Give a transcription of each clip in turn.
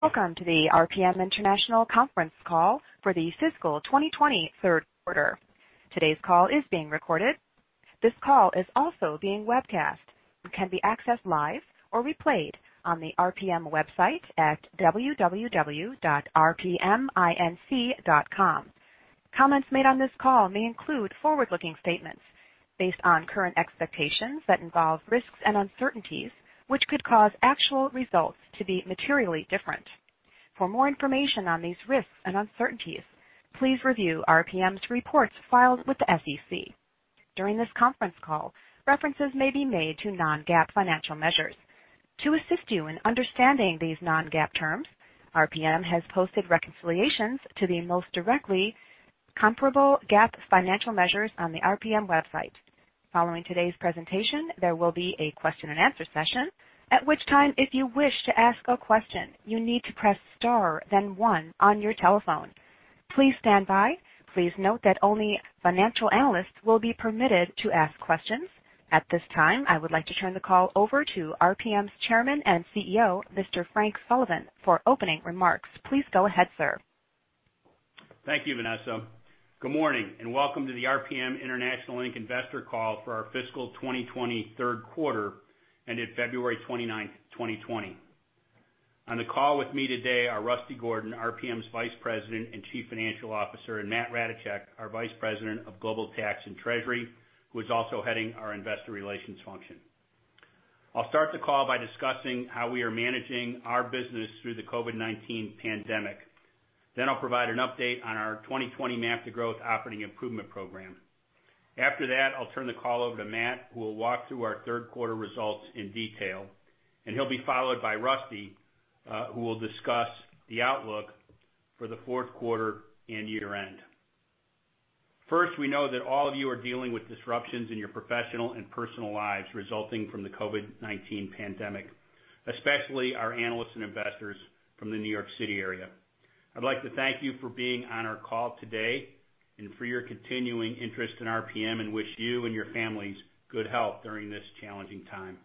Welcome to the RPM International conference call for the fiscal 2020 third quarter. Today's call is being recorded. This call is also being webcast. It can be accessed live or replayed on the RPM website at www.rpminc.com. Comments made on this call may include forward-looking statements based on current expectations that involve risks and uncertainties, which could cause actual results to be materially different. For more information on these risks and uncertainties, please review RPM's reports filed with the SEC. During this conference call, references may be made to non-GAAP financial measures. To assist you in understanding these non-GAAP terms, RPM has posted reconciliations to the most directly comparable GAAP financial measures on the RPM website. Following today's presentation, there will be a question-and-answer session, at which time if you wish to ask a question, you need to press star then one on your telephone. Please stand by. Please note that only financial analysts will be permitted to ask questions. At this time, I would like to turn the call over to RPM's Chairman and CEO, Mr. Frank Sullivan, for opening remarks. Please go ahead, sir. Thank you, Vanessa. Good morning, and welcome to the RPM International Inc investor call for our fiscal 2020 third quarter ended February 29th, 2020. On the call with me today are Rusty Gordon, RPM's Vice President and Chief Financial Officer, and Matt Ratajczak, our Vice President of Global Tax and Treasury, who is also heading our Investor Relations function. I'll start the call by discussing how we are managing our business through the COVID-19 pandemic. I'll provide an update on our 2020 MAP to Growth operating improvement program. After that, I'll turn the call over to Matt, who will walk through our third quarter results in detail, and he'll be followed by Rusty, who will discuss the outlook for the fourth quarter and year-end. First, we know that all of you are dealing with disruptions in your professional and personal lives resulting from the COVID-19 pandemic, especially our analysts and investors from the New York City area. I'd like to thank you for being on our call today and for your continuing interest in RPM and wish you and your families good health during this challenging time.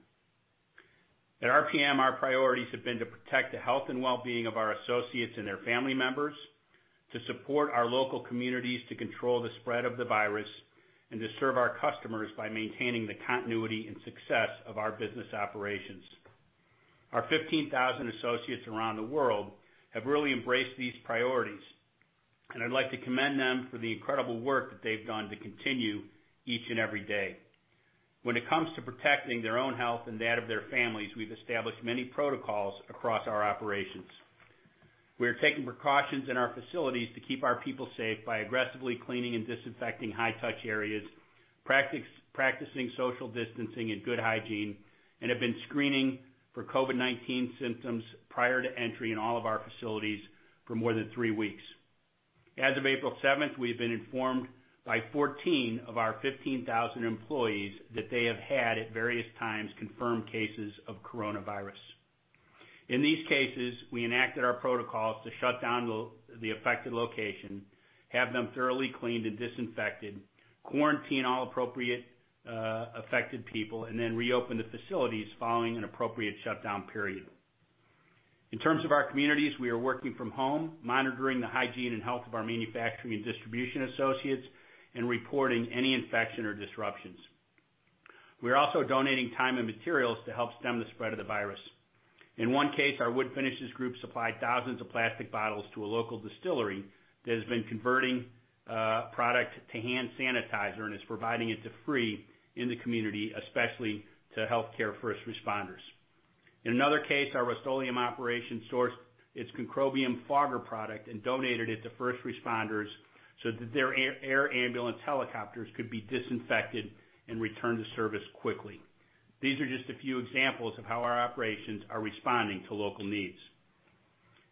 At RPM, our priorities have been to protect the health and wellbeing of our associates and their family members, to support our local communities to control the spread of the virus, and to serve our customers by maintaining the continuity and success of our business operations. Our 15,000 associates around the world have really embraced these priorities, and I'd like to commend them for the incredible work that they've done to continue each and every day. When it comes to protecting their own health and that of their families, we've established many protocols across our operations. We are taking precautions in our facilities to keep our people safe by aggressively cleaning and disinfecting high-touch areas, practicing social distancing and good hygiene, and have been screening for COVID-19 symptoms prior to entry in all of our facilities for more than three weeks. As of April 7th, we have been informed by 14 of our 15,000 employees that they have had, at various times, confirmed cases of coronavirus. In these cases, we enacted our protocols to shut down the affected location, have them thoroughly cleaned and disinfected, quarantine all appropriate affected people, and then reopen the facilities following an appropriate shutdown period. In terms of our communities, we are working from home, monitoring the hygiene and health of our manufacturing and distribution associates, and reporting any infection or disruptions. We are also donating time and materials to help stem the spread of the virus. In one case, our wood finishes group supplied thousands of plastic bottles to a local distillery that has been converting product to hand sanitizer and is providing it to free in the community, especially to healthcare first responders. In another case, our Rust-Oleum operation sourced its Concrobium fogger product and donated it to first responders so that their air ambulance helicopters could be disinfected and returned to service quickly. These are just a few examples of how our operations are responding to local needs.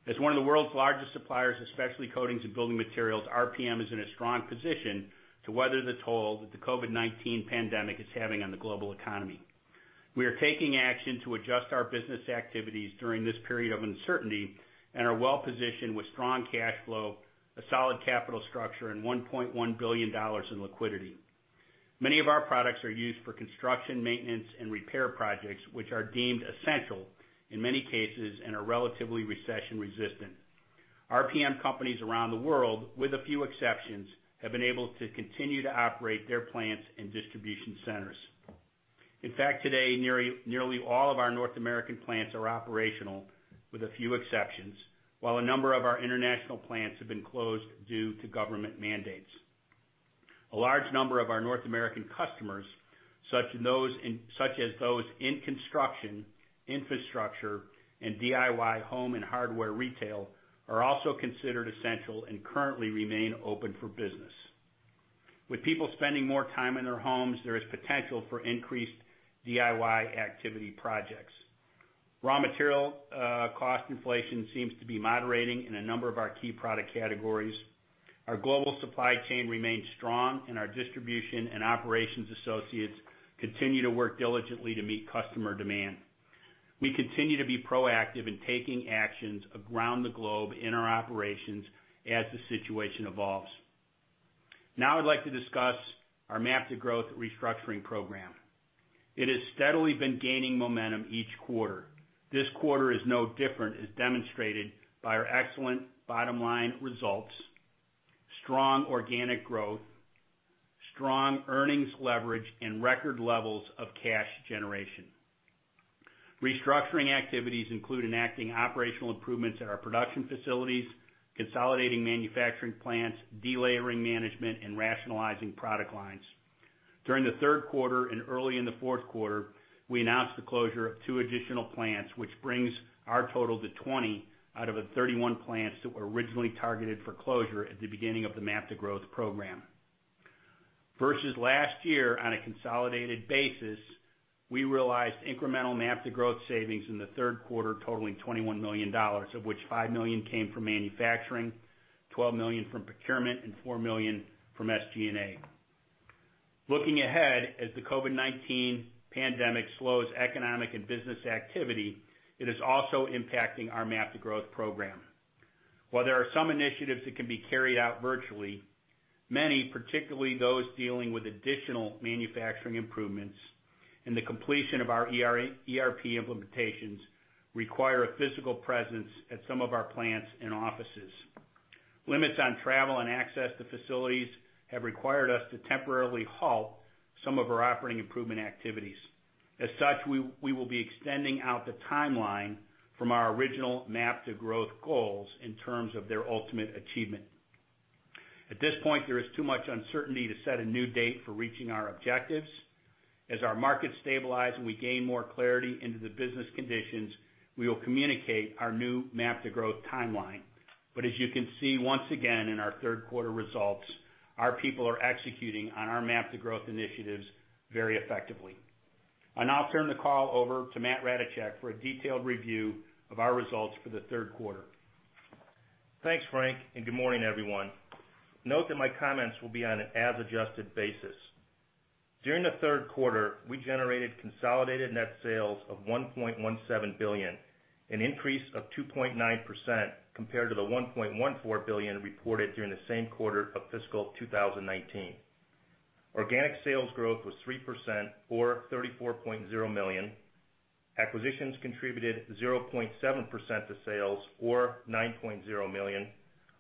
As one of the world's largest suppliers of specialty coatings and building materials, RPM is in a strong position to weather the toll that the COVID-19 pandemic is having on the global economy. We are taking action to adjust our business activities during this period of uncertainty and are well-positioned with strong cash flow, a solid capital structure, and $1.1 billion in liquidity. Many of our products are used for construction, maintenance, and repair projects, which are deemed essential in many cases and are relatively recession-resistant. RPM companies around the world, with a few exceptions, have been able to continue to operate their plants and distribution centers. In fact, today, nearly all of our North American plants are operational, with a few exceptions, while a number of our international plants have been closed due to government mandates. A large number of our North American customers, such as those in construction, infrastructure, and DIY home and hardware retail, are also considered essential and currently remain open for business. With people spending more time in their homes, there is potential for increased DIY activity projects. Raw material cost inflation seems to be moderating in a number of our key product categories. Our global supply chain remains strong, and our distribution and operations associates continue to work diligently to meet customer demand. We continue to be proactive in taking actions around the globe in our operations as the situation evolves. Now I'd like to discuss our MAP to Growth restructuring program. It has steadily been gaining momentum each quarter. This quarter is no different, as demonstrated by our excellent bottom-line results, strong organic growth, strong earnings leverage, and record levels of cash generation. Restructuring activities include enacting operational improvements at our production facilities, consolidating manufacturing plants, delayering management, and rationalizing product lines. During the third quarter and early in the fourth quarter, we announced the closure of two additional plants, which brings our total to 20 out of the 31 plants that were originally targeted for closure at the beginning of the MAP to Growth program. Versus last year, on a consolidated basis, we realized incremental MAP to Growth savings in the third quarter totaling $21 million, of which $5 million came from manufacturing, $12 million from procurement, and $4 million from SG&A. Looking ahead, as the COVID-19 pandemic slows economic and business activity, it is also impacting our MAP to Growth program. While there are some initiatives that can be carried out virtually, many, particularly those dealing with additional manufacturing improvements and the completion of our ERP implementations, require a physical presence at some of our plants and offices. Limits on travel and access to facilities have required us to temporarily halt some of our operating improvement activities. As such, we will be extending out the timeline from our original MAP to Growth goals in terms of their ultimate achievement. At this point, there is too much uncertainty to set a new date for reaching our objectives. As our markets stabilize and we gain more clarity into the business conditions, we will communicate our new MAP to Growth timeline. As you can see, once again in our third quarter results, our people are executing on our MAP to Growth initiatives very effectively. I'll now turn the call over to Matt Ratajczak for a detailed review of our results for the third quarter. Thanks, Frank. Good morning, everyone. Note that my comments will be on an as-adjusted basis. During the third quarter, we generated consolidated net sales of $1.17 billion, an increase of 2.9% compared to the $1.14 billion reported during the same quarter of fiscal 2019. Organic sales growth was 3%, or $34.0 million. Acquisitions contributed 0.7% to sales, or $9.0 million,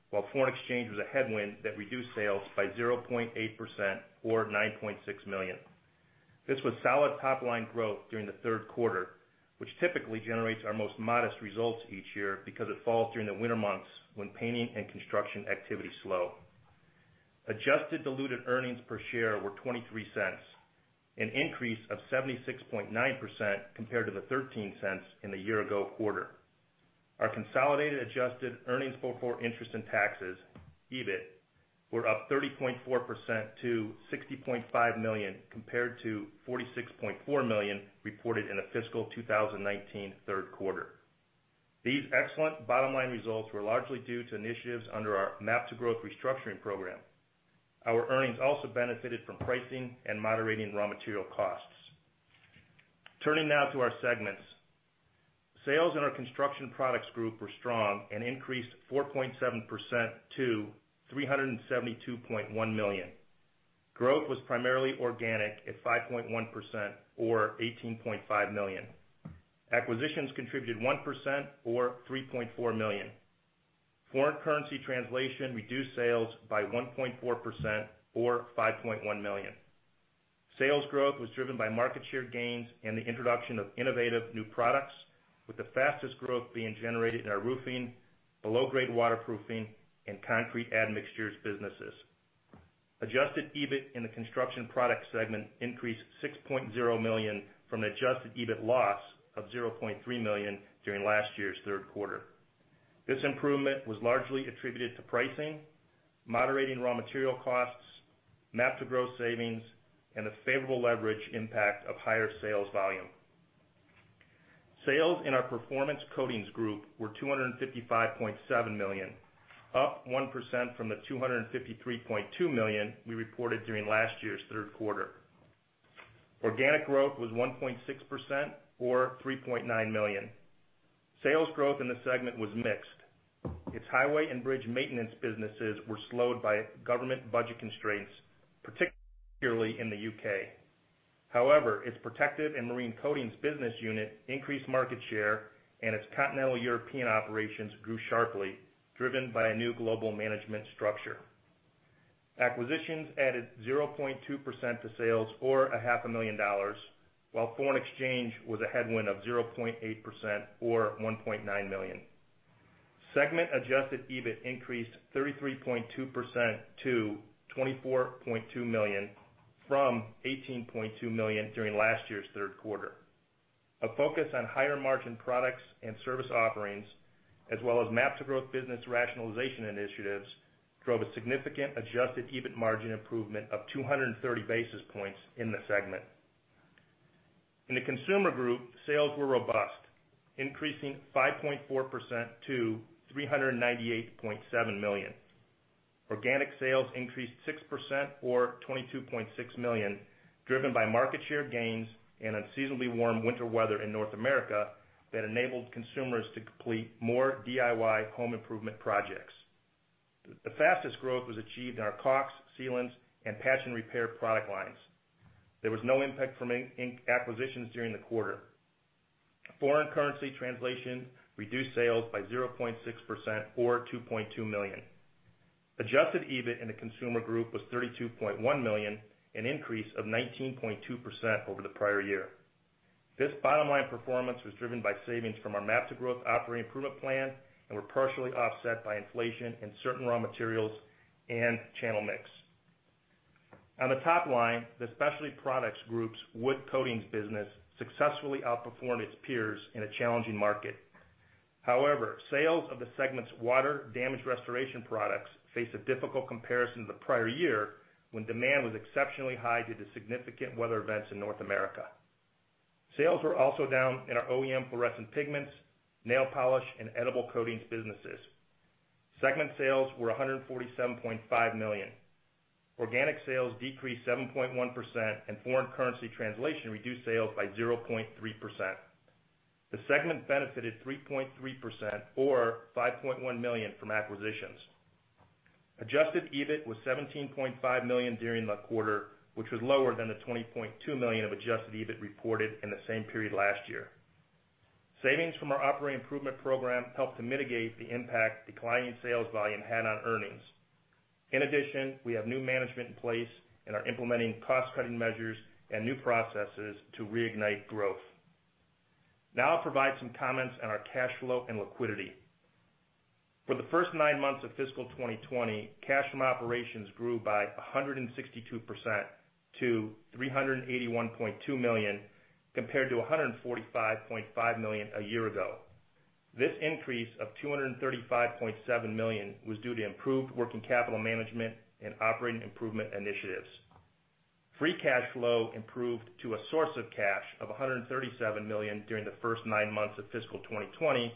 while foreign exchange was a headwind that reduced sales by 0.8%, or $9.6 million. This was solid top-line growth during the third quarter, which typically generates our most modest results each year because it falls during the winter months when painting and construction activity is slow. Adjusted diluted earnings per share were $0.23, an increase of 76.9% compared to the $0.13 in the year-ago quarter. Our consolidated adjusted earnings before interest and taxes, EBIT, were up 30.4% to $60.5 million, compared to $46.4 million reported in the fiscal 2019 third quarter. These excellent bottom-line results were largely due to initiatives under our MAP to Growth restructuring program. Our earnings also benefited from pricing and moderating raw material costs. Turning now to our segments. Sales in our Construction Products Group were strong and increased 4.7% to $372.1 million. Growth was primarily organic at 5.1%, or $18.5 million. Acquisitions contributed 1%, or $3.4 million. Foreign currency translation reduced sales by 1.4%, or $5.1 million. Sales growth was driven by market share gains and the introduction of innovative new products, with the fastest growth being generated in our roofing, below-grade waterproofing, and concrete admixtures businesses. Adjusted EBIT in the Construction Products Group increased to $6.0 million from an adjusted EBIT loss of $0.3 million during last year's third quarter. This improvement was largely attributed to pricing, moderating raw material costs, MAP to Growth savings, and a favorable leverage impact of higher sales volume. Sales in our Performance Coatings Group were $255.7 million, up 1% from the $253.2 million we reported during last year's third quarter. Organic growth was 1.6%, or $3.9 million. Sales growth in the segment was mixed. Its highway and bridge maintenance businesses were slowed by government budget constraints, particularly in the U.K. However, its protective and marine coatings business unit increased market share and its continental European operations grew sharply, driven by a new global management structure. Acquisitions added 0.2% to sales or a $0.5 million, while foreign exchange was a headwind of 0.8%, or $1.9 million. Segment adjusted EBIT increased 33.2% to $24.2 million from $18.2 million during last year's third quarter. A focus on higher-margin products and service offerings, as well as MAP to Growth business rationalization initiatives, drove a significant adjusted EBIT margin improvement of 230 basis points in the segment. In the Consumer Group, sales were robust, increasing 5.4% to $398.7 million. Organic sales increased 6%, or $22.6 million, driven by market share gains and unseasonably warm winter weather in North America that enabled consumers to complete more DIY home improvement projects. The fastest growth was achieved in our caulks, sealants, and patch and repair product lines. There was no impact from acquisitions during the quarter. Foreign currency translation reduced sales by 0.6%, or $2.2 million. Adjusted EBIT in the Consumer Group was $32.1 million, an increase of 19.2% over the prior year. This bottom line performance was driven by savings from our MAP to Growth operating improvement plan, were partially offset by inflation in certain raw materials and channel mix. On the top line, the Specialty Products Group's wood coatings business successfully outperformed its peers in a challenging market. However, sales of the segment's water-damaged restoration products faced a difficult comparison to the prior year, when demand was exceptionally high due to significant weather events in North America. Sales were also down in our OEM fluorescent pigments, nail polish, and edible coatings businesses. Segment sales were $147.5 million. Organic sales decreased 7.1%. Foreign currency translation reduced sales by 0.3%. The segment benefited 3.3%, or $5.1 million from acquisitions. Adjusted EBIT was $17.5 million during the quarter, which was lower than the $20.2 million of adjusted EBIT reported in the same period last year. Savings from our operating improvement program helped to mitigate the impact declining sales volume had on earnings. In addition, we have new management in place and are implementing cost-cutting measures and new processes to reignite growth. Now I'll provide some comments on our cash flow and liquidity. For the first nine months of fiscal 2020, cash from operations grew by 162% to $381.2 million, compared to $145.5 million a year ago. This increase of $235.7 million was due to improved working capital management and operating improvement initiatives. Free cash flow improved to a source of cash of $137 million during the first nine months of fiscal 2020,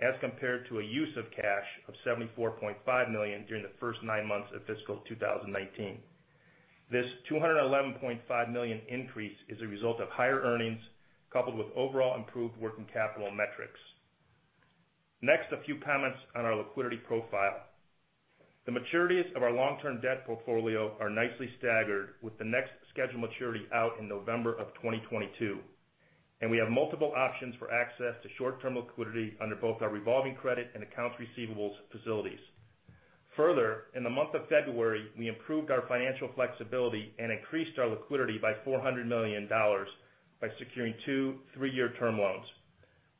as compared to a use of cash of $74.5 million during the first nine months of fiscal 2019. This $211.5 million increase is a result of higher earnings, coupled with overall improved working capital metrics. Next, a few comments on our liquidity profile. The maturities of our long-term debt portfolio are nicely staggered, with the next scheduled maturity out in November of 2022, and we have multiple options for access to short-term liquidity under both our revolving credit and accounts receivables facilities. Further, in the month of February, we improved our financial flexibility and increased our liquidity by $400 million by securing two three-year term loans.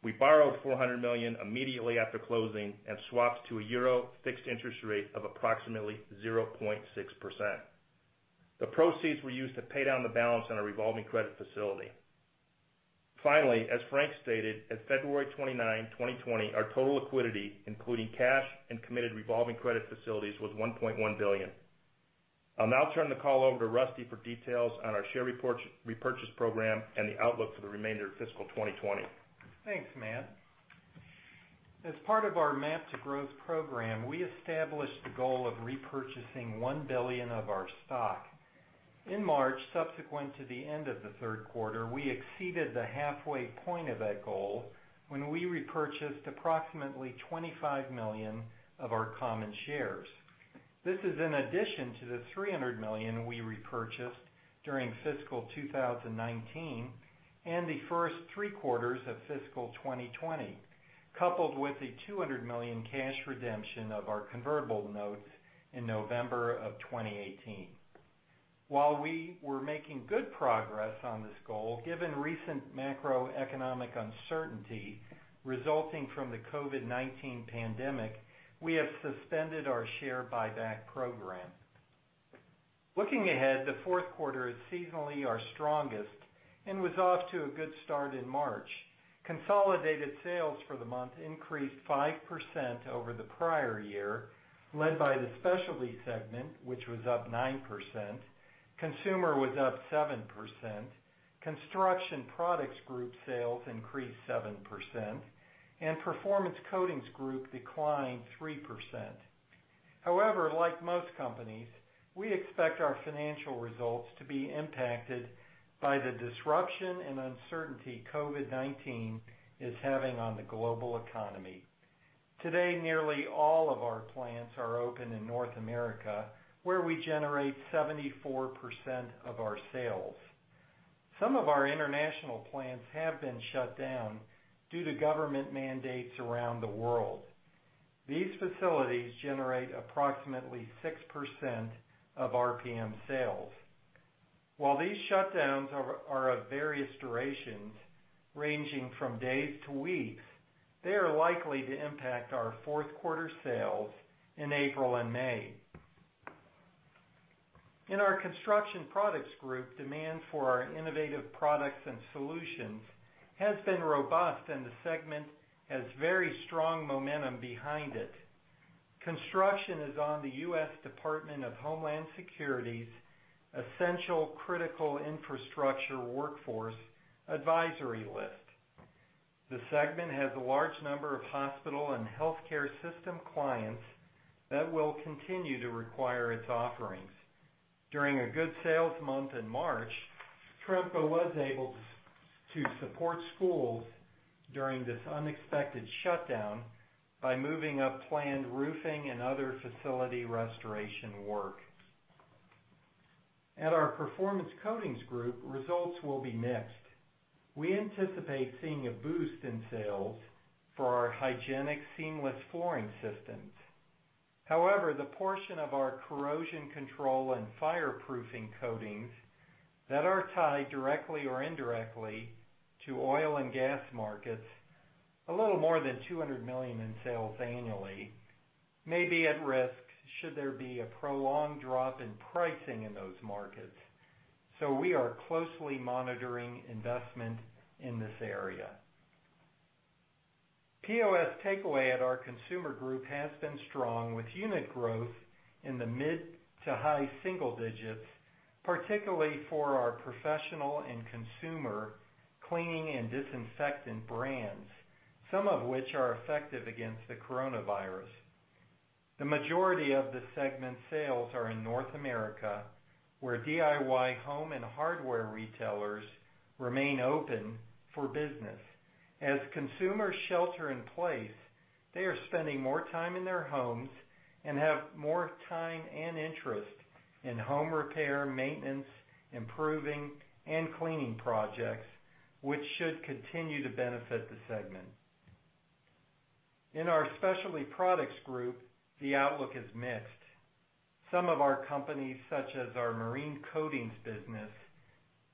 We borrowed $400 million immediately after closing and swapped to a euro fixed interest rate of approximately 0.6%. The proceeds were used to pay down the balance on our revolving credit facility. Finally, as Frank stated, at February 29, 2020, our total liquidity, including cash and committed revolving credit facilities, was $1.1 billion. I'll now turn the call over to Rusty for details on our share repurchase program and the outlook for the remainder of fiscal 2020. Thanks, Matt. As part of our MAP to Growth program, we established the goal of repurchasing $1 billion of our stock. In March, subsequent to the end of the third quarter, we exceeded the halfway point of that goal when we repurchased approximately $25 million of our common shares. This is in addition to the $300 million we repurchased during fiscal 2019 and the first three quarters of fiscal 2020, coupled with a $200 million cash redemption of our convertible notes in November of 2018. While we were making good progress on this goal, given recent macroeconomic uncertainty resulting from the COVID-19 pandemic, we have suspended our share buyback program. Looking ahead, the fourth quarter is seasonally our strongest and was off to a good start in March. Consolidated sales for the month increased 5% over the prior year, led by the Specialty segment, which was up 9%. Consumer was up 7%. Construction Products Group sales increased 7%. Performance Coatings Group declined 3%. However, like most companies, we expect our financial results to be impacted by the disruption and uncertainty COVID-19 is having on the global economy. Today, nearly all of our plants are open in North America, where we generate 74% of our sales. Some of our international plants have been shut down due to government mandates around the world. These facilities generate approximately 6% of RPM's sales. While these shutdowns are of various durations, ranging from days to weeks, they are likely to impact our fourth quarter sales in April and May. In our Construction Products Group, demand for our innovative products and solutions has been robust. The segment has very strong momentum behind it. Construction is on the U.S. Department of Homeland Security's Essential Critical Infrastructure Workforce advisory list. The segment has a large number of hospital and healthcare system clients that will continue to require its offerings. During a good sales month in March, Tremco was able to support schools during this unexpected shutdown by moving up planned roofing and other facility restoration work. At our Performance Coatings Group, results will be mixed. We anticipate seeing a boost in sales for our hygienic seamless flooring systems. The portion of our corrosion control and fireproofing coatings that are tied directly or indirectly to oil and gas markets, a little more than $200 million in sales annually, may be at risk should there be a prolonged drop in pricing in those markets. We are closely monitoring investment in this area. POS takeaway at our Consumer Group has been strong, with unit growth in the mid to high single-digits, particularly for our professional and consumer cleaning and disinfectant brands, some of which are effective against the coronavirus. The majority of the segment sales are in North America, where DIY home and hardware retailers remain open for business. As consumers shelter in place, they are spending more time in their homes and have more time and interest in home repair, maintenance, improving, and cleaning projects, which should continue to benefit the segment. In our Specialty Products Group, the outlook is mixed. Some of our companies, such as our marine coatings business,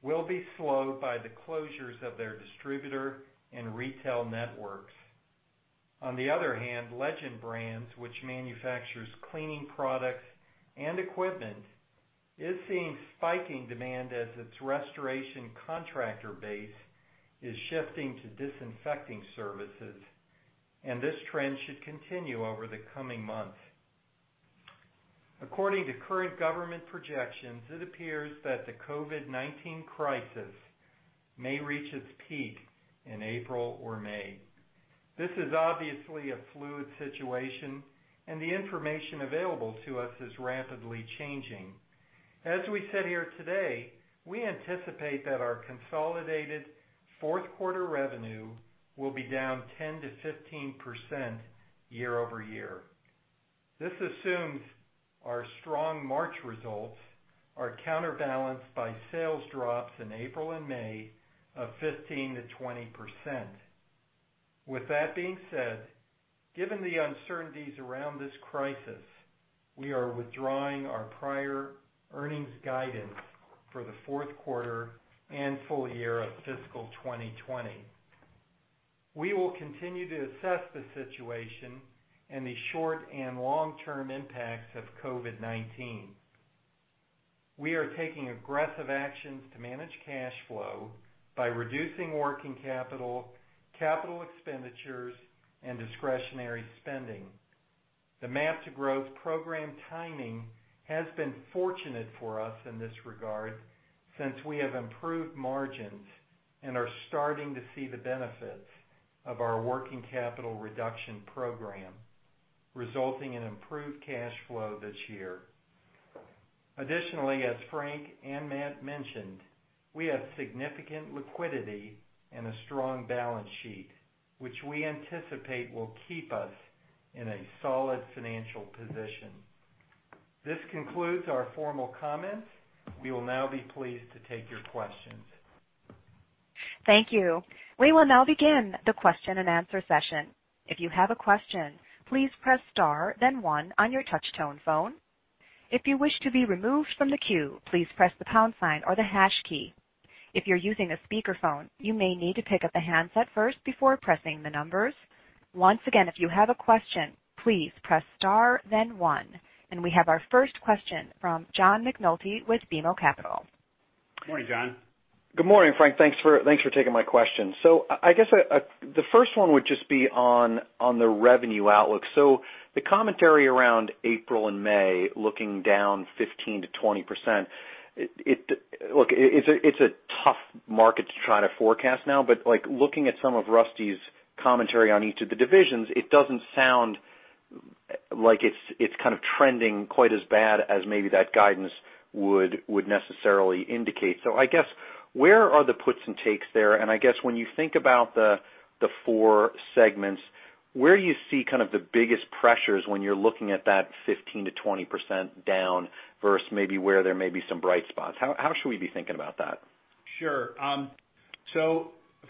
will be slowed by the closures of their distributor and retail networks. On the other hand, Legend Brands, which manufactures cleaning products and equipment, is seeing spiking demand as its restoration contractor base is shifting to disinfecting services, and this trend should continue over the coming months. According to current government projections, it appears that the COVID-19 crisis may reach its peak in April or May. This is obviously a fluid situation, and the information available to us is rapidly changing. As we sit here today, we anticipate that our consolidated fourth quarter revenue will be down 10%-15% year-over-year. This assumes our strong March results are counterbalanced by sales drops in April and May of 15%-20%. With that being said, given the uncertainties around this crisis, we are withdrawing our prior earnings guidance for the fourth quarter and full year of fiscal 2020. We will continue to assess the situation and the short- and long-term impacts of COVID-19. We are taking aggressive actions to manage cash flow by reducing working capital expenditures, and discretionary spending. The MAP to Growth program timing has been fortunate for us in this regard, since we have improved margins and are starting to see the benefits of our working capital reduction program, resulting in improved cash flow this year. Additionally, as Frank and Matt mentioned, we have significant liquidity and a strong balance sheet, which we anticipate will keep us in a solid financial position. This concludes our formal comments. We will now be pleased to take your questions. Thank you. We will now begin the question-and-answer session. If you have a question, please press star then one on your touch-tone phone. If you wish to be removed from the queue, please press the pound sign or the hash key. If you're using a speakerphone, you may need to pick up the handset first before pressing the numbers. Once again, if you have a question, please press star then one. We have our first question from John McNulty with BMO Capital. Morning, John. Good morning, Frank. Thanks for taking my question. I guess the first one would just be on the revenue outlook. The commentary around April and May looking down 15%-20%, it's a tough market to try to forecast now, but looking at some of Rusty's commentary on each of the divisions, it doesn't sound like it's kind of trending quite as bad as maybe that guidance would necessarily indicate. I guess, where are the puts and takes there? I guess when you think about the four segments, where you see kind of the biggest pressures when you're looking at that 15%-20% down versus maybe where there may be some bright spots? How should we be thinking about that? Sure.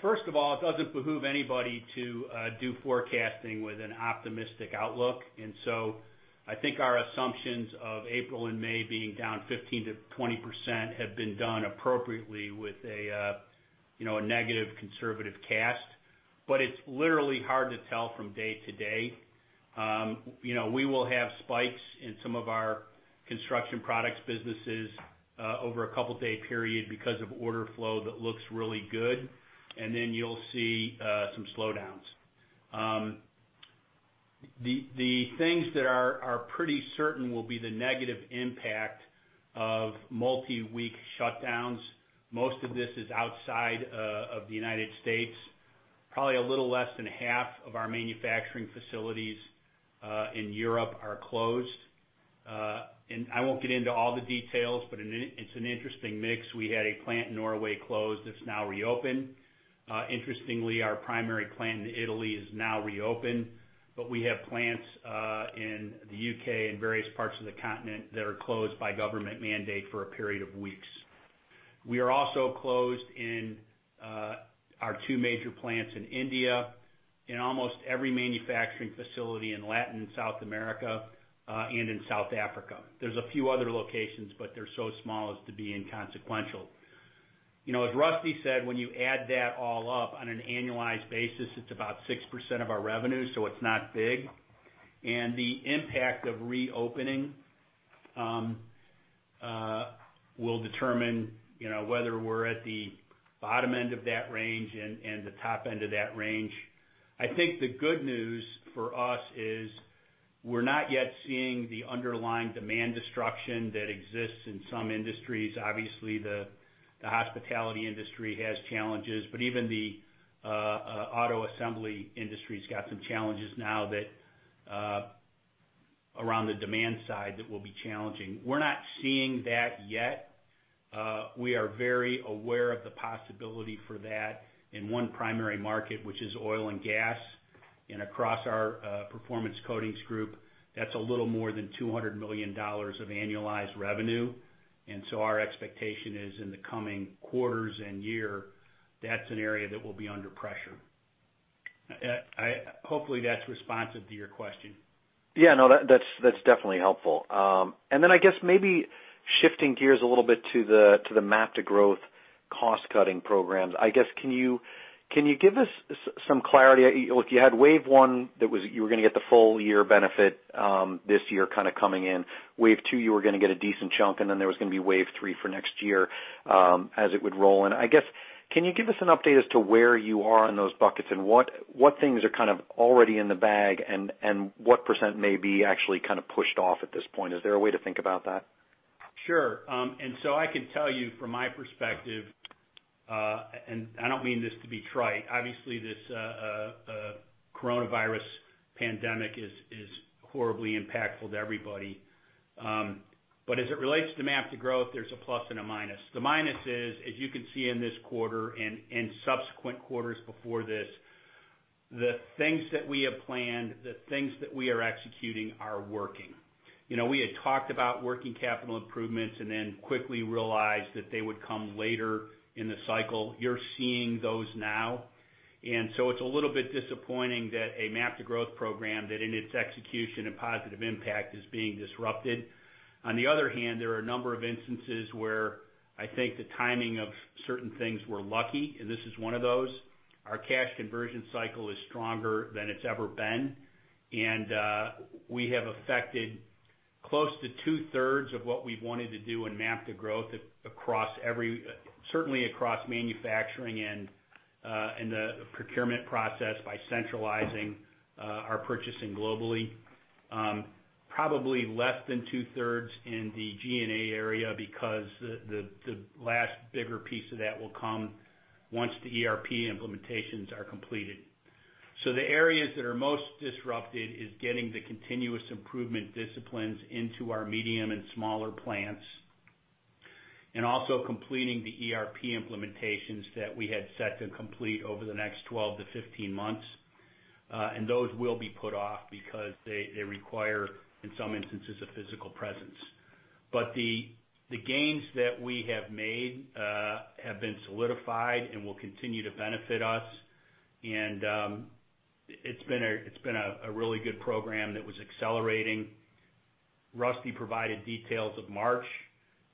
First of all, it doesn't behoove anybody to do forecasting with an optimistic outlook. I think our assumptions of April and May being down 15%-20% have been done appropriately with a negative conservative cast. It's literally hard to tell from day to day. We will have spikes in some of our Construction Products businesses over a couple day period because of order flow that looks really good, and then you'll see some slowdowns. The things that are pretty certain will be the negative impact of multi-week shutdowns. Most of this is outside of the U.S. Probably a little less than half of our manufacturing facilities in Europe are closed. I won't get into all the details, but it's an interesting mix. We had a plant in Norway closed, it's now reopened. Interestingly, our primary plant in Italy is now reopened, but we have plants in the U.K. and various parts of the continent that are closed by government mandate for a period of weeks. We are also closed in our two major plants in India, in almost every manufacturing facility in Latin America, and in South Africa. There's a few other locations, but they're so small as to be inconsequential. As Rusty said, when you add that all up on an annualized basis, it's about 6% of our revenue, so it's not big. The impact of reopening will determine whether we're at the bottom end of that range and the top end of that range. I think the good news for us is we're not yet seeing the underlying demand destruction that exists in some industries. Obviously, the hospitality industry has challenges, but even the auto assembly industry's got some challenges now around the demand side that will be challenging. We're not seeing that yet. We are very aware of the possibility for that in one primary market, which is oil and gas, and across our Performance Coatings Group, that's a little more than $200 million of annualized revenue. Our expectation is in the coming quarters and year, that's an area that will be under pressure. Hopefully, that's responsive to your question. Yeah, no, that's definitely helpful. Then, I guess maybe shifting gears a little bit to the MAP to Growth cost-cutting programs. I guess, can you give us some clarity? You had wave one, you were going to get the full year benefit this year coming in. Wave two, you were going to get a decent chunk, and then there was going to be wave three for next year as it would roll in. I guess, can you give us an update as to where you are in those buckets, and what things are kind of already in the bag, and what percent may be actually kind of pushed off at this point? Is there a way to think about that? Sure. I can tell you from my perspective, and I don't mean this to be trite. Obviously, this coronavirus pandemic is horribly impactful to everybody. As it relates to MAP to Growth, there's a plus and a minus. The minus is, as you can see in this quarter and subsequent quarters before this, the things that we have planned, the things that we are executing are working. We had talked about working capital improvements and then quickly realized that they would come later in the cycle. You're seeing those now. It's a little bit disappointing that a MAP to Growth program that in its execution and positive impact is being disrupted. On the other hand, there are a number of instances where I think the timing of certain things were lucky, and this is one of those. Our cash conversion cycle is stronger than it's ever been. We have affected close to 2/3 of what we've wanted to do in MAP to Growth certainly across manufacturing and the procurement process by centralizing our purchasing globally. Probably less than 2/3 in the G&A area because the last bigger piece of that will come once the ERP implementations are completed. The areas that are most disrupted is getting the continuous improvement disciplines into our medium and smaller plants, and also completing the ERP implementations that we had set to complete over the next 12-15 months. Those will be put off because they require, in some instances, a physical presence. The gains that we have made have been solidified and will continue to benefit us. It's been a really good program that was accelerating. Rusty provided details of March.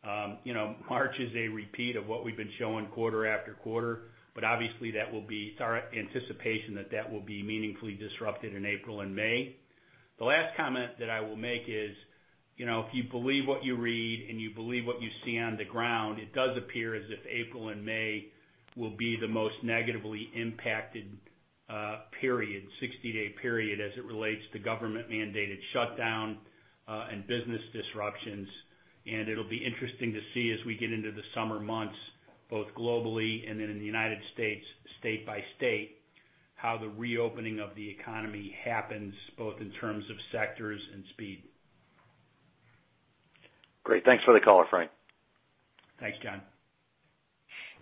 March is a repeat of what we've been showing quarter-afterquarter. Obviously, it's our anticipation that will be meaningfully disrupted in April and May. The last comment that I will make is, if you believe what you read and you believe what you see on the ground, it does appear as if April and May will be the most negatively impacted 60-day period as it relates to government-mandated shutdown and business disruptions. It'll be interesting to see as we get into the summer months, both globally and in the United States, state-by-state, how the reopening of the economy happens, both in terms of sectors and speed. Great. Thanks for the call, Frank. Thanks, John.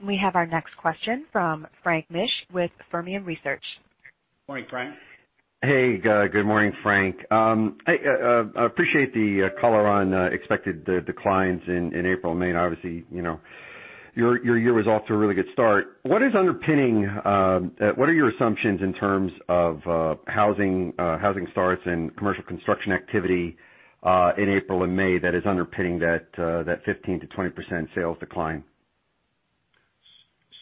We have our next question from Frank Mitsch with Fermium Research. Morning, Frank. Hey. Good morning, Frank. I appreciate the color on expected declines in April and May. Obviously, your results are a really good start. What are your assumptions in terms of housing starts and commercial construction activity in April and May that is underpinning that 15%-20% sales decline?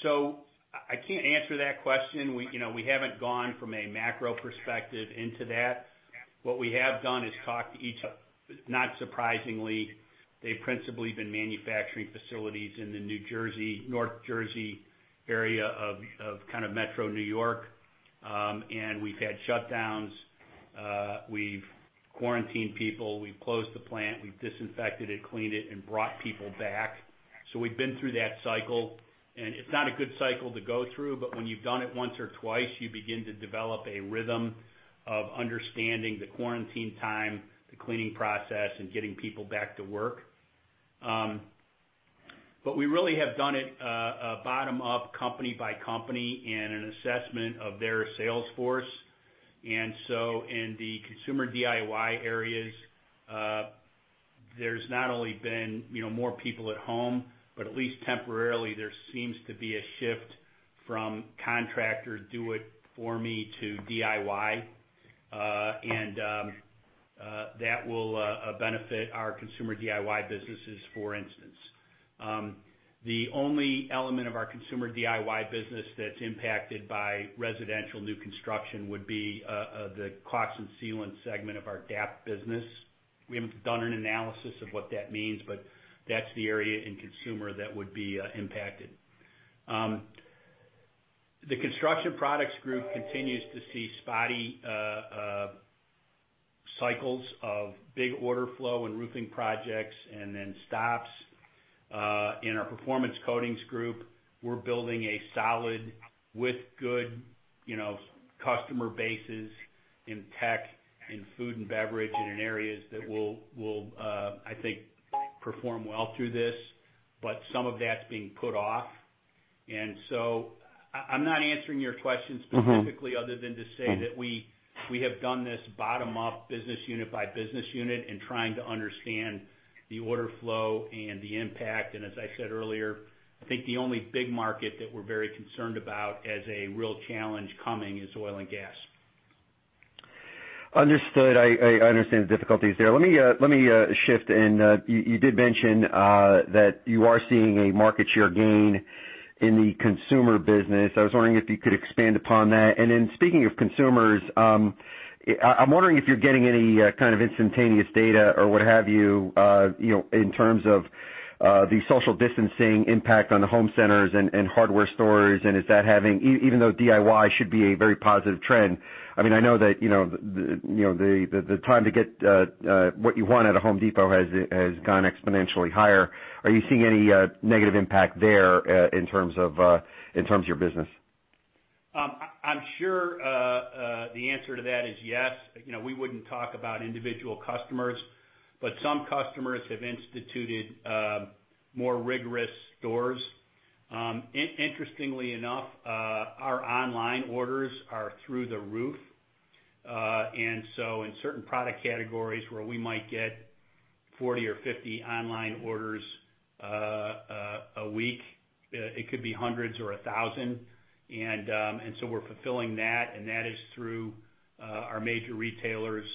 I can't answer that question. We haven't gone from a macro perspective into that. What we have done is talked to not surprisingly, they've principally been manufacturing facilities in the North Jersey area of kind of metro New York. We've had shutdowns. We've quarantined people, we've closed the plant, we've disinfected it, cleaned it, and brought people back. We've been through that cycle, and it's not a good cycle to go through, but when you've done it once or twice, you begin to develop a rhythm of understanding the quarantine time, the cleaning process, and getting people back to work. We really have done it bottom up, company-by-company, and an assessment of their sales force. In the Consumer DIY areas, there's not only been more people at home, but at least temporarily, there seems to be a shift from contractor do-it-for-me to DIY, and that will benefit our Consumer DIY businesses, for instance. The only element of our Consumer DIY business that's impacted by residential new construction would be the caulk and sealant segment of our DAP business. We haven't done an analysis of what that means, but that's the area in Consumer that would be impacted. The Construction Products Group continues to see spotty cycles of big order flow and roofing projects, and then stops. In our Performance Coatings Group, we're building a solid, with good customer bases in tech, in food and beverage, and in areas that will, I think, perform well through this. Some of that's being put off. I'm not answering your question specifically other than to say that we have done this bottom up, business unit by business unit, and trying to understand the order flow and the impact. As I said earlier, I think the only big market that we're very concerned about as a real challenge coming is oil and gas. Understood. I understand the difficulties there. Let me shift. You did mention that you are seeing a market share gain in the Consumer business. I was wondering if you could expand upon that. Then speaking of consumers, I'm wondering if you're getting any kind of instantaneous data or what have you, in terms of the social distancing impact on the home centers and hardware stores. Even though DIY should be a very positive trend, I know that the time to get what you want at a Home Depot has gone exponentially higher. Are you seeing any negative impact there in terms of your business? I'm sure the answer to that is yes. We wouldn't talk about individual customers, but some customers have instituted more rigorous stores. Interestingly enough, our online orders are through the roof. In certain product categories where we might get 40 or 50 online orders a week, it could be hundreds or a thousand. We're fulfilling that, and that is through our major retailers to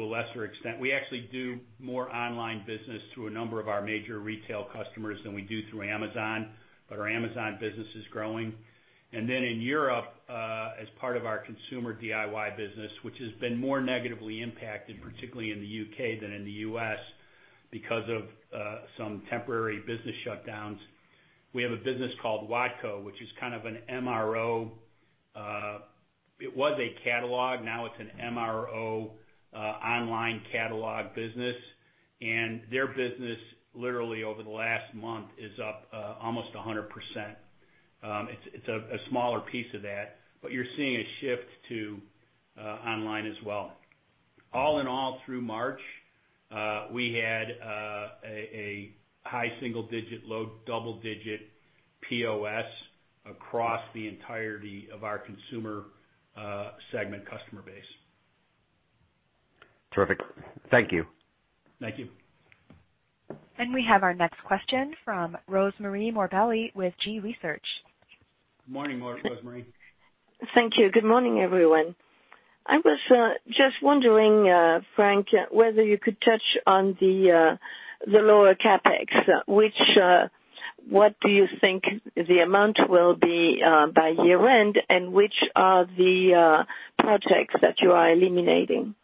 a lesser extent. We actually do more online business through a number of our major retail customers than we do through Amazon, but our Amazon business is growing. In Europe, as part of our Consumer DIY business, which has been more negatively impacted, particularly in the U.K. than in the U.S. because of some temporary business shutdowns. We have a business called Watco, which is kind of an MRO. It was a catalog, now it's an MRO online catalog business. Their business literally over the last month is up almost 100%. It's a smaller piece of that, but you're seeing a shift to online as well. All in all, through March, we had a high single-digit, low double-digit POS across the entirety of our Consumer segment customer base. Terrific. Thank you. Thank you. We have our next question from Rosemarie Morbelli with G.research. Good morning, Rosemarie. Thank you. Good morning, everyone. I was just wondering, Frank, whether you could touch on the lower CapEx. What do you think the amount will be by year-end, and which are the projects that you are eliminating?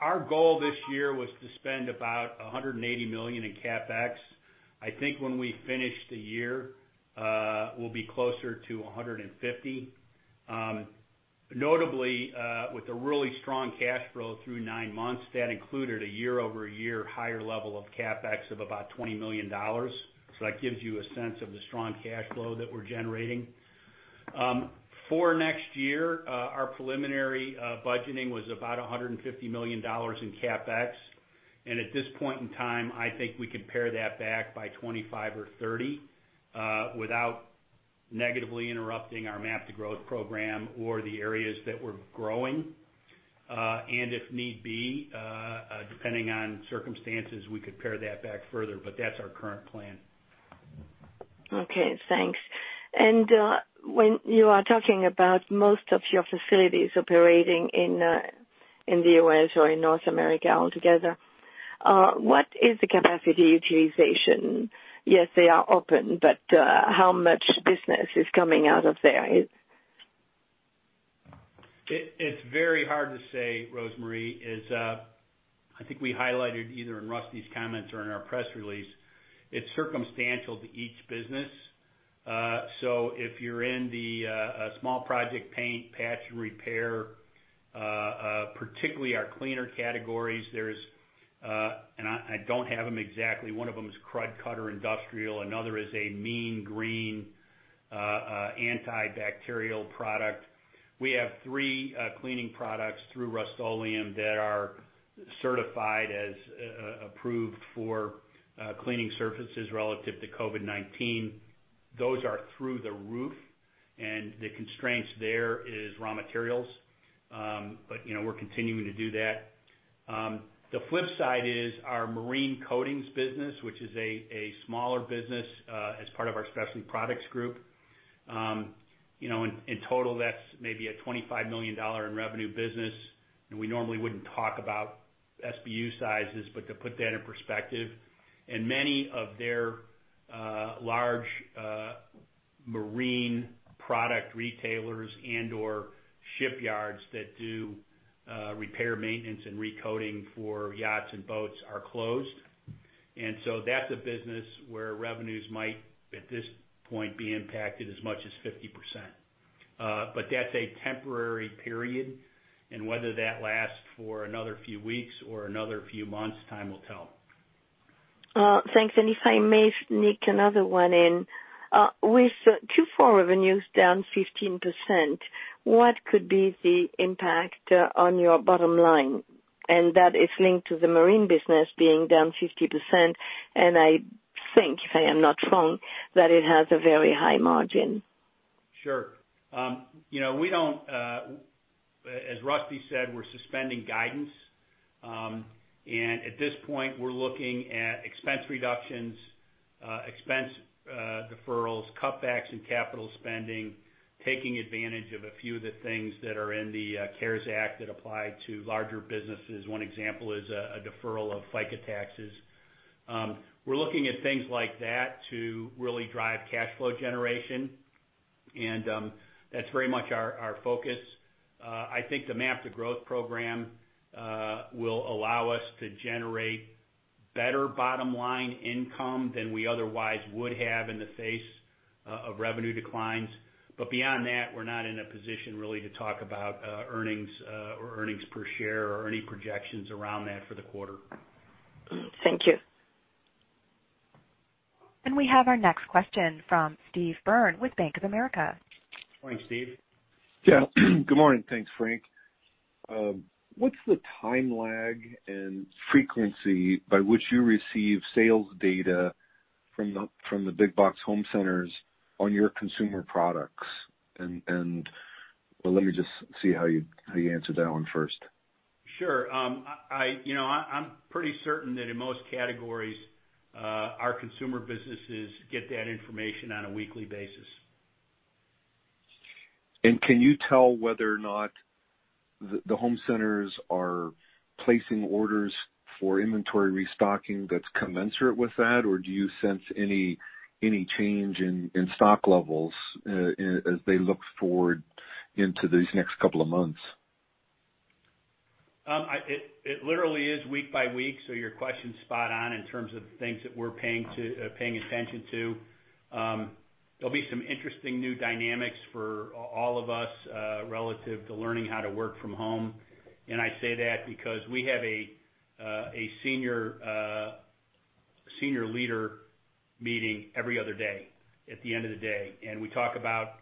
Our goal this year was to spend about $180 million in CapEx. I think when we finish the year, we'll be closer to $150. Notably, with the really strong cash flow through nine months, that included a year-over-year higher level of CapEx of about $20 million. That gives you a sense of the strong cash flow that we're generating. For next year, our preliminary budgeting was about $150 million in CapEx, and at this point in time, I think we could pare that back by $25 million or $30 million without negatively interrupting our MAP to Growth program or the areas that we're growing. If need be, depending on circumstances, we could pare that back further, but that's our current plan. Okay, thanks. When you are talking about most of your facilities operating in the U.S. or in North America altogether, what is the capacity utilization? Yes, they are open, but how much business is coming out of there? It's very hard to say, Rosemarie. I think we highlighted either in Rusty's comments or in our press release, it's circumstantial to each business. If you're in the small project paint, patch, and repair, particularly our cleaner categories, I don't have them exactly. One of them is Krud Kutter Industrial, another is a Mean Green antibacterial product. We have three cleaning products through Rust-Oleum that are certified as approved for cleaning surfaces relative to COVID-19. Those are through the roof, the constraints there is raw materials. We're continuing to do that. The flip side is our marine coatings business, which is a smaller business as part of our Specialty Products Group. In total, that's maybe a $25 million in revenue business, and we normally wouldn't talk about SBU sizes, but to put that in perspective, and many of their large marine product retailers and/or shipyards that do repair, maintenance, and recoating for yachts and boats are closed. That's a business where revenues might, at this point, be impacted as much as 50%. That's a temporary period, and whether that lasts for another few weeks or another few months, time will tell. Thanks. If I may sneak another one in. With Q4 revenues down 15%, what could be the impact on your bottom line? That is linked to the marine business being down 50%, and I think, if I am not wrong, that it has a very high margin. Sure. As Rusty said, we're suspending guidance. At this point, we're looking at expense reductions, expense deferrals, cutbacks in capital spending, taking advantage of a few of the things that are in the CARES Act that apply to larger businesses. One example is a deferral of FICA taxes. We're looking at things like that to really drive cash flow generation, and that's very much our focus. I think the MAP to Growth program will allow us to generate better bottom-line income than we otherwise would have in the face of revenue declines. Beyond that, we're not in a position really to talk about earnings or earnings per share or any projections around that for the quarter. Thank you. We have our next question from Steve Byrne with Bank of America. Morning, Steve. Yeah. Good morning. Thanks, Frank. What's the time lag and frequency by which you receive sales data from the big box home centers on your Consumer products? Well, let me just see how you answer that one first. Sure. I'm pretty certain that in most categories, our Consumer businesses get that information on a weekly basis. Can you tell whether or not the home centers are placing orders for inventory restocking that's commensurate with that? Do you sense any change in stock levels as they look forward into these next couple of months? It literally is week-by-week, so your question's spot on in terms of things that we're paying attention to. There'll be some interesting new dynamics for all of us relative to learning how to work from home. I say that because we have a senior leader meeting every other day at the end of the day, and we talk about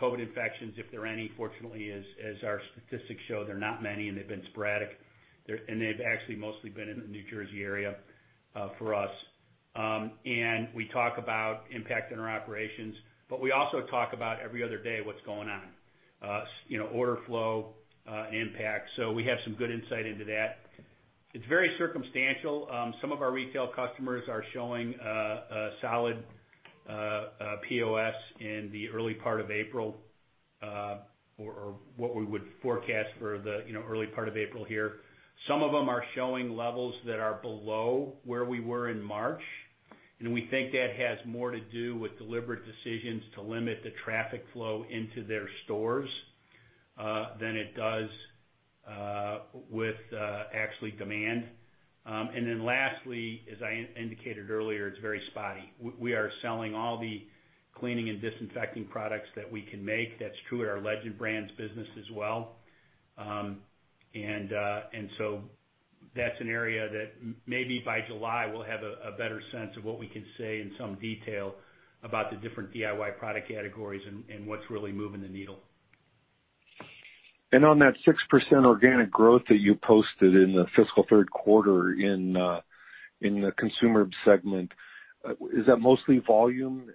COVID infections, if there are any. Fortunately, as our statistics show, there are not many, and they've been sporadic. They've actually mostly been in the New Jersey area for us. We talk about impact on our operations, but we also talk about every other day what's going on. Order flow and impact. We have some good insight into that. It's very circumstantial. Some of our retail customers are showing a solid POS in the early part of April, or what we would forecast for the early part of April here. Some of them are showing levels that are below where we were in March, and we think that has more to do with deliberate decisions to limit the traffic flow into their stores than it does with actually demand. Lastly, as I indicated earlier, it's very spotty. We are selling all the cleaning and disinfecting products that we can make. That's true at our Legend Brands business as well. That's an area that maybe by July we'll have a better sense of what we can say in some detail about the different DIY product categories and what's really moving the needle. On that 6% organic growth that you posted in the fiscal third quarter in the Consumer segment, is that mostly volume?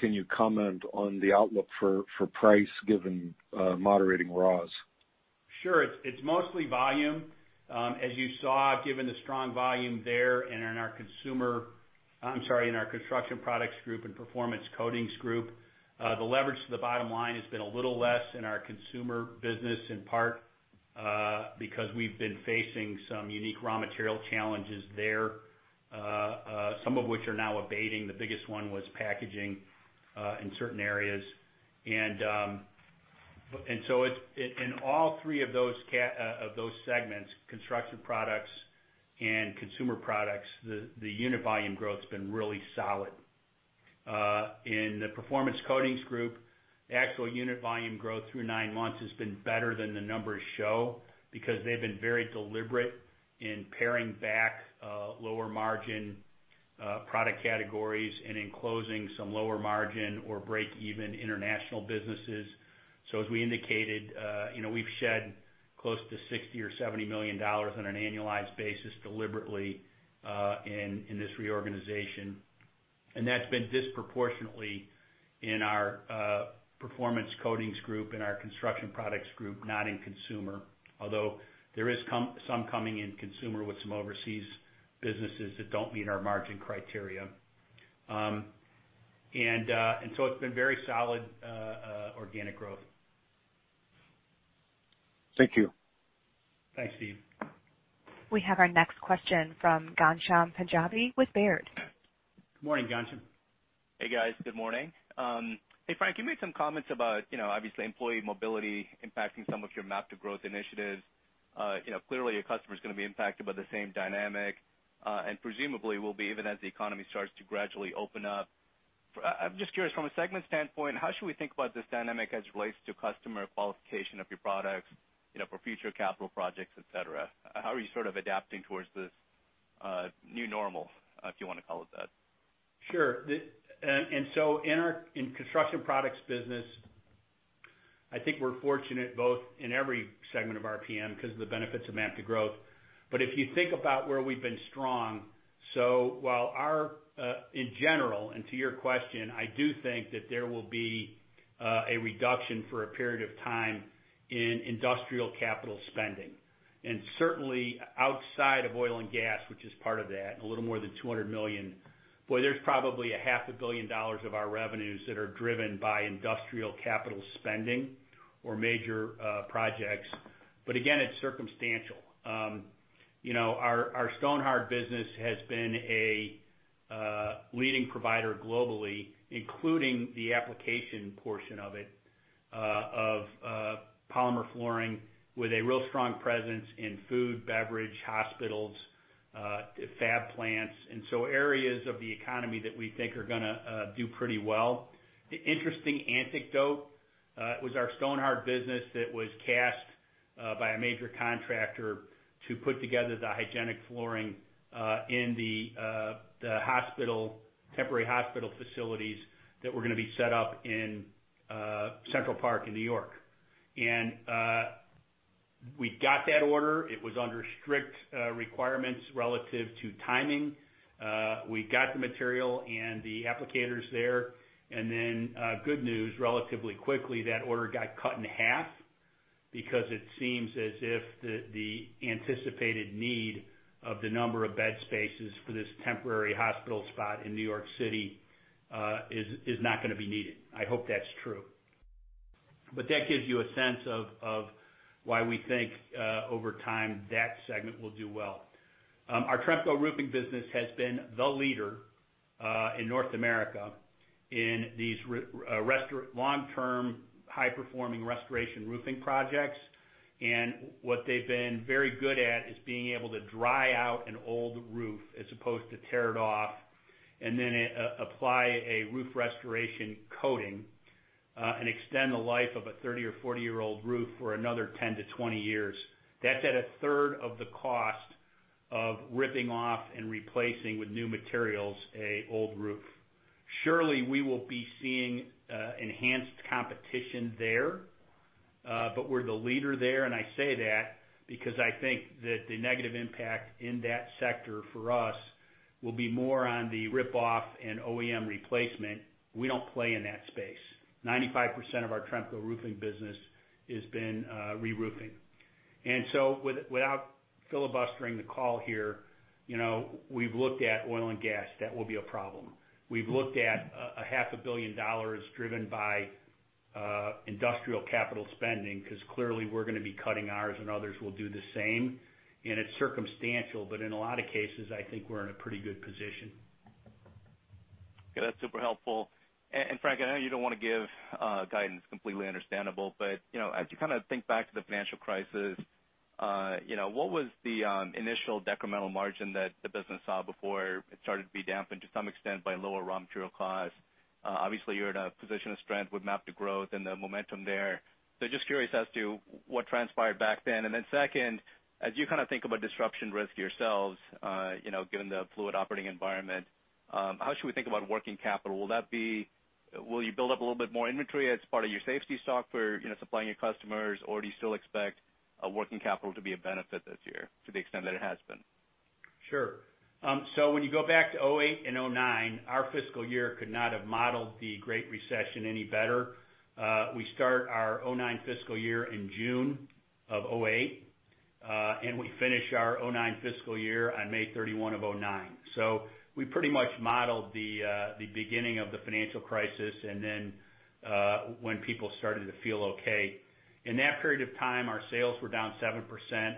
Can you comment on the outlook for price given moderating raws? Sure. It's mostly volume. As you saw, given the strong volume there and in our I'm sorry, in our Construction Products Group and Performance Coatings Group, the leverage to the bottom line has been a little less in our Consumer business, in part because we've been facing some unique raw material challenges there, some of which are now abating. The biggest one was packaging in certain areas. In all three of those segments, Construction Products and Consumer Products, the unit volume growth's been really solid. In the Performance Coatings Group, the actual unit volume growth through nine months has been better than the numbers show because they've been very deliberate in paring back lower margin product categories and in closing some lower margin or break even international businesses. As we indicated, we've shed close to $60 million or $70 million on an annualized basis deliberately in this reorganization. That's been disproportionately in our Performance Coatings Group, in our Construction Products Group, not in Consumer Group. Although there is some coming in Consumer Group with some overseas businesses that don't meet our margin criteria. It's been very solid organic growth. Thank you. Thanks, Steve. We have our next question from Ghansham Panjabi with Baird. Morning, Ghansham. Hey, guys. Good morning. Hey, Frank, you made some comments about, obviously, employee mobility impacting some of your MAP to Growth initiatives. Clearly your customer's going to be impacted by the same dynamic, and presumably will be even as the economy starts to gradually open up. I'm just curious, from a segment standpoint, how should we think about this dynamic as it relates to customer qualification of your products for future capital projects, et cetera? How are you sort of adapting towards this new normal, if you want to call it that? Sure. In Construction Products business, I think we're fortunate both in every segment of RPM because of the benefits of MAP to Growth. If you think about where we've been strong, while in general, and to your question, I do think that there will be a reduction for a period of time in industrial capital spending. Certainly outside of oil and gas, which is part of that, a little more than $200 million, boy, there's probably a half a billion dollars of our revenues that are driven by industrial capital spending or major projects. Again, it's circumstantial. Our Stonhard business has been a leading provider globally, including the application portion of it, of polymer flooring, with a real strong presence in food, beverage, hospitals, fab plants, and so areas of the economy that we think are gonna do pretty well, The interesting anecdote was our Stonhard business that was cast by a major contractor to put together the hygienic flooring in the temporary hospital facilities that were gonna be set up in Central Park in N.Y. We got that order. It was under strict requirements relative to timing. We got the material and the applicators there. Good news, relatively quickly, that order got cut in half because it seems as if the anticipated need of the number of bed spaces for this temporary hospital spot in N.Y. City is not gonna be needed. I hope that's true. That gives you a sense of why we think, over time, that segment will do well. Our Tremco Roofing business has been the leader in North America in these long-term high-performing restoration roofing projects. What they've been very good at is being able to dry out an old roof as opposed to tear it off, then apply a roof restoration coating, and extend the life of a 30 or 40-year-old roof for another 10-20 years. That's at a third of the cost of ripping off and replacing with new materials an old roof. Surely, we will be seeing enhanced competition there, we're the leader there. I say that because I think that the negative impact in that sector for us will be more on the rip-off and OEM replacement. We don't play in that space. 95% of our Tremco Roofing business has been reroofing. Without filibustering the call here, we've looked at oil and gas. That will be a problem. We've looked at a half a billion dollars driven by industrial capital spending because clearly we're gonna be cutting ours, and others will do the same. It's circumstantial, but in a lot of cases, I think we're in a pretty good position. Okay. That's super helpful. Frank, I know you don't want to give guidance, completely understandable, but as you kind of think back to the financial crisis, what was the initial decremental margin that the business saw before it started to be dampened to some extent by lower raw material costs? Obviously, you're in a position of strength with MAP to Growth and the momentum there. Just curious as to what transpired back then. Second, as you kind of think about disruption risk to yourselves, given the fluid operating environment, how should we think about working capital? Will you build up a little bit more inventory as part of your safety stock for supplying your customers, or do you still expect working capital to be a benefit this year to the extent that it has been? Sure. When you go back to 2008 and 2009, our fiscal year could not have modeled the Great Recession any better. We start our 2009 fiscal year in June of 2008. We finish our 2009 fiscal year on May 31 of 2009. We pretty much modeled the beginning of the financial crisis and then when people started to feel okay. In that period of time, our sales were down 7%,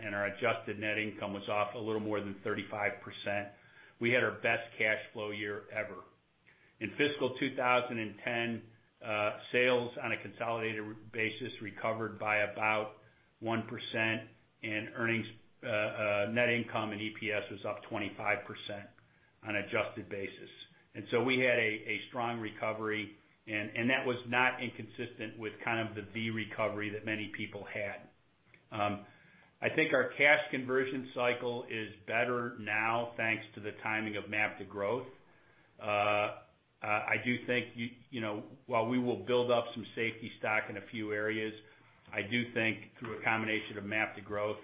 and our adjusted net income was off a little more than 35%. We had our best cash flow year ever. In fiscal 2010, sales on a consolidated basis recovered by about 1%, and net income and EPS was up 25% on adjusted basis. We had a strong recovery, and that was not inconsistent with kind of the V recovery that many people had. I think our cash conversion cycle is better now, thanks to the timing of MAP to Growth. While we will build up some safety stock in a few areas, I do think through a combination of MAP to Growth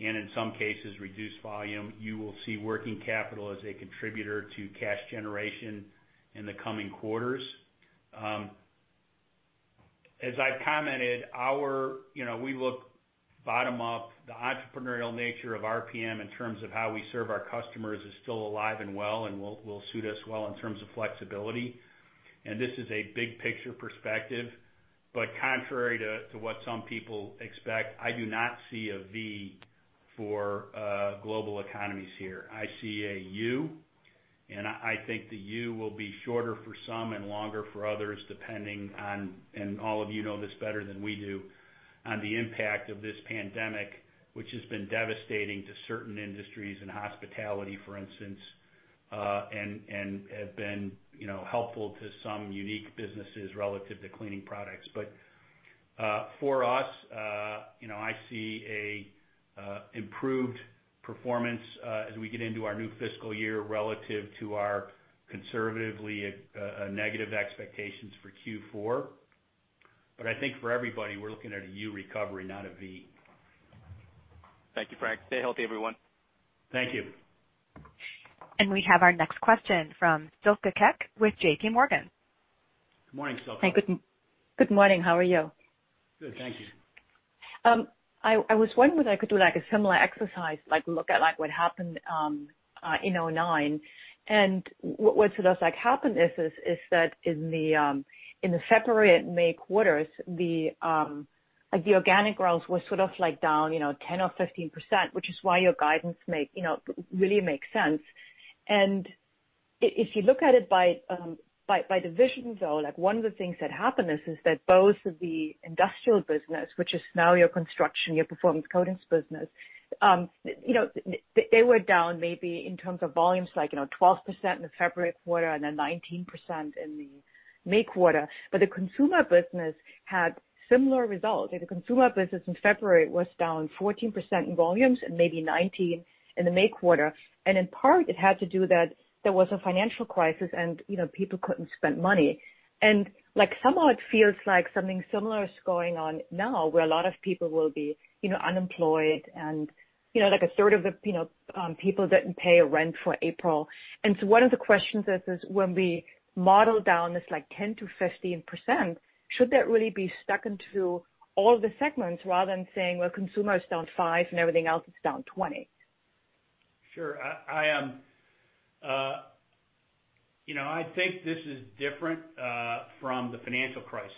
and, in some cases, reduced volume, you will see working capital as a contributor to cash generation in the coming quarters. As I've commented, we look bottom up. The entrepreneurial nature of RPM in terms of how we serve our customers is still alive and well and will suit us well in terms of flexibility. This is a big picture perspective, but contrary to what some people expect, I do not see a V for global economies here. I see a U. I think the U will be shorter for some and longer for others, depending on, and all of you know this better than we do, on the impact of this pandemic, which has been devastating to certain industries and hospitality, for instance, and have been helpful to some unique businesses relative to cleaning products. For us, I see improved performance as we get into our new fiscal year relative to our conservatively negative expectations for Q4. I think for everybody, we're looking at a U recovery, not a V. Thank you, Frank. Stay healthy, everyone. Thank you. We have our next question from Silke Kueck with JPMorgan. Good morning, Silke. Good morning. How are you? Good, thank you. I was wondering if I could do a similar exercise, look at what happened in 2009. What happened is that in the February and May quarters, the organic growth was down 10% or 15%, which is why your guidance really makes sense. If you look at it by division, though, one of the things that happened is that both of the industrial business, which is now your Construction, your Performance Coatings business, they were down maybe in terms of volumes, like 12% in the February quarter and then 19% in the May quarter. The Consumer business had similar results. The Consumer business in February was down 14% in volumes and maybe 19% in the May quarter, and in part, it had to do that there was a financial crisis, and people couldn't spend money. Somehow it feels like something similar is going on now, where a lot of people will be unemployed and a third of the people didn't pay rent for April. One of the questions is, when we model down this, like 10%-15%, should that really be stuck into all the segments rather than saying, well, Consumer is down 5% and everything else is down 20%? Sure. I think this is different from the financial crisis.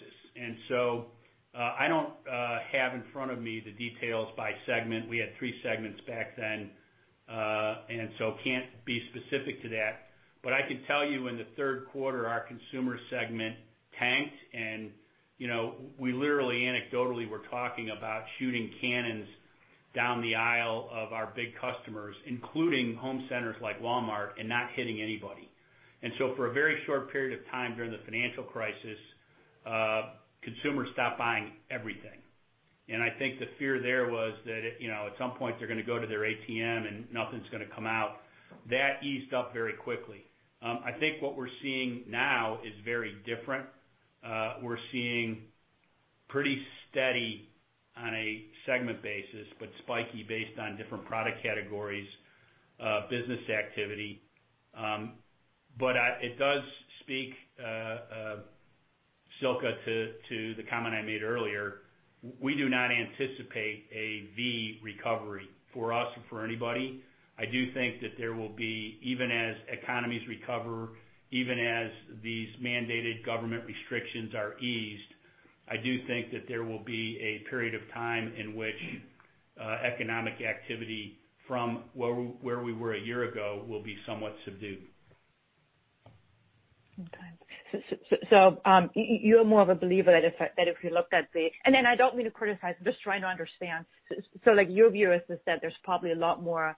I don't have in front of me the details by segment. We had three segments back then, can't be specific to that. I can tell you in the third quarter, our Consumer segment tanked, and we literally anecdotally were talking about shooting cannons down the aisle of our big customers, including home centers like Walmart, and not hitting anybody. For a very short period of time during the financial crisis, consumers stopped buying everything. I think the fear there was that at some point they're going to go to their ATM and nothing's going to come out. That eased up very quickly. I think what we're seeing now is very different. We're seeing pretty steady on a segment basis, but spiky based on different product categories, business activity. It does speak, Silke, to the comment I made earlier. We do not anticipate a V recovery for us and for anybody. I do think that there will be, even as economies recover, even as these mandated government restrictions are eased, I do think that there will be a period of time in which economic activity from where we were a year ago will be somewhat subdued. You're more of a believer that if you looked at the, I don't mean to criticize, I'm just trying to understand, your view is that there's probably a lot more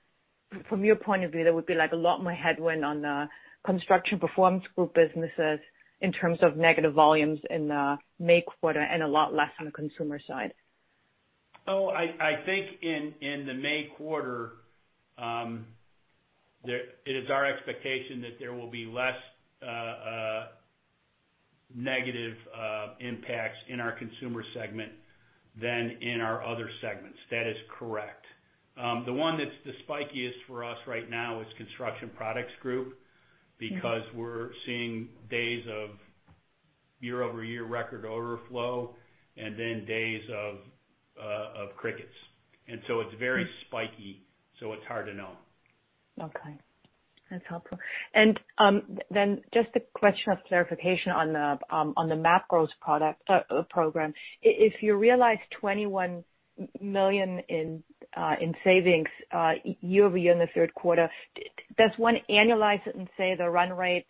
from your point of view, there would be a lot more headwind on the Construction, Performance group businesses in terms of negative volumes in the May quarter and a lot less on the Consumer side? I think in the May quarter, it is our expectation that there will be less negative impacts in our Consumer segment than in our other segments. That is correct. The one that's the spikiest for us right now is Construction Products Group because we're seeing days of year-over-year record overflow and then days of crickets. It's very spiky, so it's hard to know. Okay. That's helpful. Just a question of clarification on the MAP to Growth program. If you realize $21 million in savings year-over-year in the third quarter, does one annualize it and say the run rate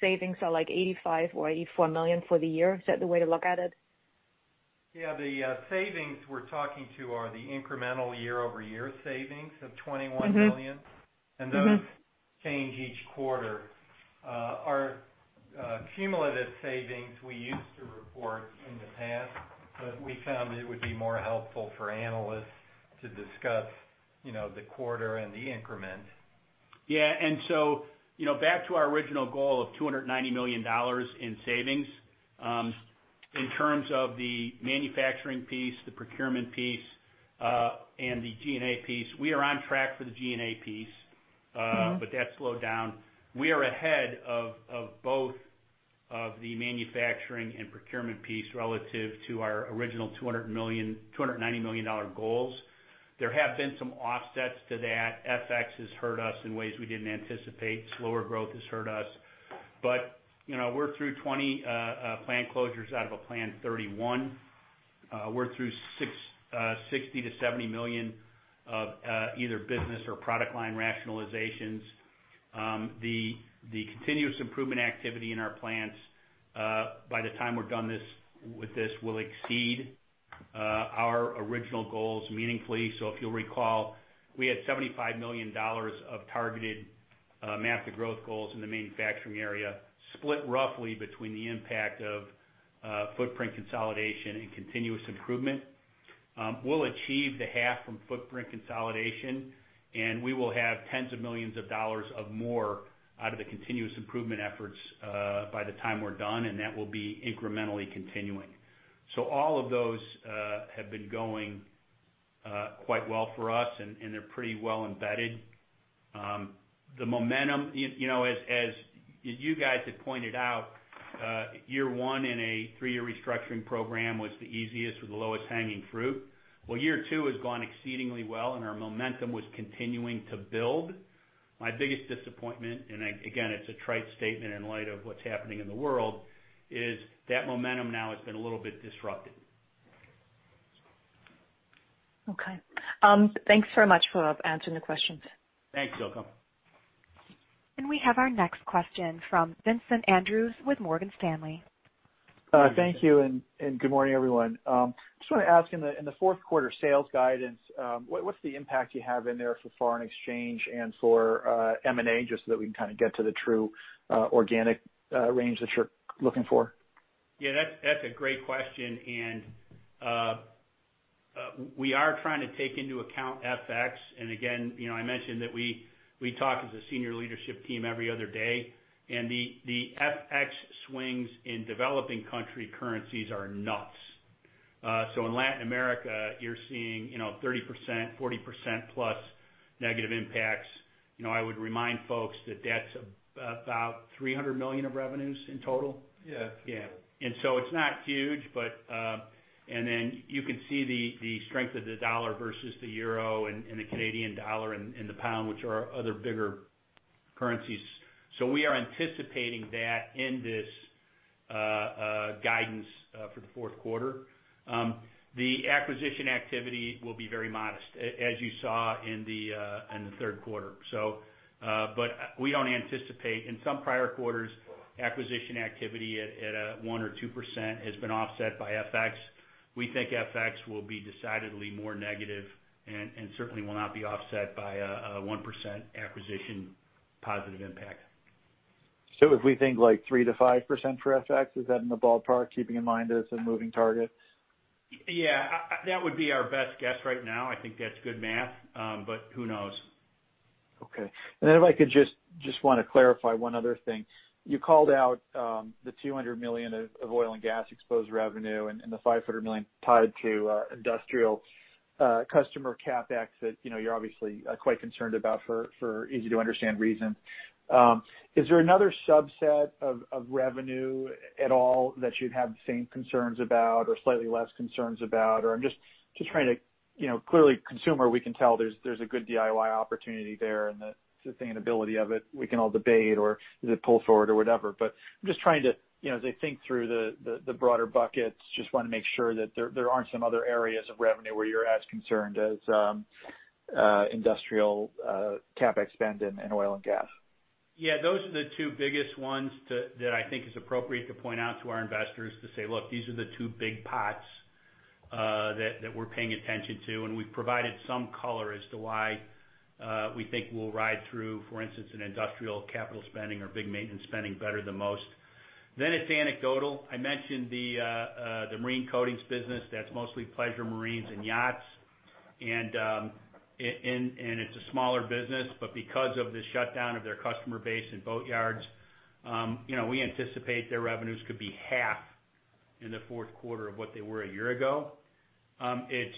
savings are like $85 million or $84 million for the year? Is that the way to look at it? Yeah. The savings we're talking to are the incremental year-over-year savings of $21 million. Those change each quarter. Our cumulative savings, we used to report in the past, but we found it would be more helpful for analysts to discuss the quarter and the increment. Yeah. Back to our original goal of $290 million in savings, in terms of the manufacturing piece, the procurement piece, and the G&A piece, we are on track for the G&A piece. That slowed down. We are ahead of both of the manufacturing and procurement piece relative to our original $290 million goals. There have been some offsets to that. FX has hurt us in ways we didn't anticipate. Slower growth has hurt us. We're through 20 plant closures out of a planned 31. We're through $60 million-$70 million of either business or product line rationalizations. The continuous improvement activity in our plants, by the time we're done with this, will exceed our original goals meaningfully. If you'll recall, we had $75 million of targeted MAP to Growth goals in the manufacturing area, split roughly between the impact of footprint consolidation and continuous improvement. We'll achieve the half from footprint consolidation, and we will have tens of millions of dollars of more out of the continuous improvement efforts by the time we're done, and that will be incrementally continuing. All of those have been going quite well for us, and they're pretty well embedded. The momentum, as you guys had pointed out, year one in a three-year restructuring program was the easiest with the lowest hanging fruit. Year two has gone exceedingly well, and our momentum was continuing to build. My biggest disappointment, and again, it's a trite statement in light of what's happening in the world, is that momentum now has been a little bit disrupted. Okay. Thanks very much for answering the questions. Thanks, Silke. We have our next question from Vincent Andrews with Morgan Stanley. Thank you. Good morning, everyone. Just want to ask in the fourth quarter sales guidance, what's the impact you have in there for foreign exchange and for M&A, just so that we can kind of get to the true organic range that you're looking for? That's a great question, and we are trying to take into account FX. Again, I mentioned that we talk as a senior leadership team every other day, and the FX swings in developing country currencies are nuts. In Latin America, you're seeing 30%, 40% plus negative impacts. I would remind folks that that's about $300 million of revenues in total. Yeah. Yeah. It's not huge, but you can see the strength of the dollar versus the euro and the Canadian dollar and the pound, which are our other bigger currencies. We are anticipating that in this guidance for the fourth quarter. The acquisition activity will be very modest, as you saw in the third quarter. We don't anticipate in some prior quarters, acquisition activity at a 1% or 2% has been offset by FX. We think FX will be decidedly more negative and certainly will not be offset by a 1% acquisition positive impact. If we think like 3%-5% for FX, is that in the ballpark, keeping in mind it's a moving target? Yeah. That would be our best guess right now. I think that's good math, but who knows? Okay. If I could just want to clarify one other thing. You called out the $200 million of oil and gas exposed revenue and the $500 million tied to industrial customer CapEx that you're obviously quite concerned about for easy to understand reasons. Is there another subset of revenue at all that you'd have the same concerns about or slightly less concerns about? I'm just trying to clearly Consumer, we can tell there's a good DIY opportunity there and the sustainability of it, we can all debate or is it pull forward or whatever. I'm just trying to, as I think through the broader buckets, just want to make sure that there aren't some other areas of revenue where you're as concerned as industrial CapEx spend in oil and gas. Yeah, those are the two biggest ones that I think is appropriate to point out to our investors to say, look, these are the two big pots that we're paying attention to, and we've provided some color as to why we think we'll ride through, for instance, an industrial capital spending or big maintenance spending better than most. It's anecdotal. I mentioned the marine coatings business, that's mostly pleasure marines and yachts. It's a smaller business, but because of the shutdown of their customer base and boatyards, we anticipate their revenues could be half in the fourth quarter of what they were a year ago. It's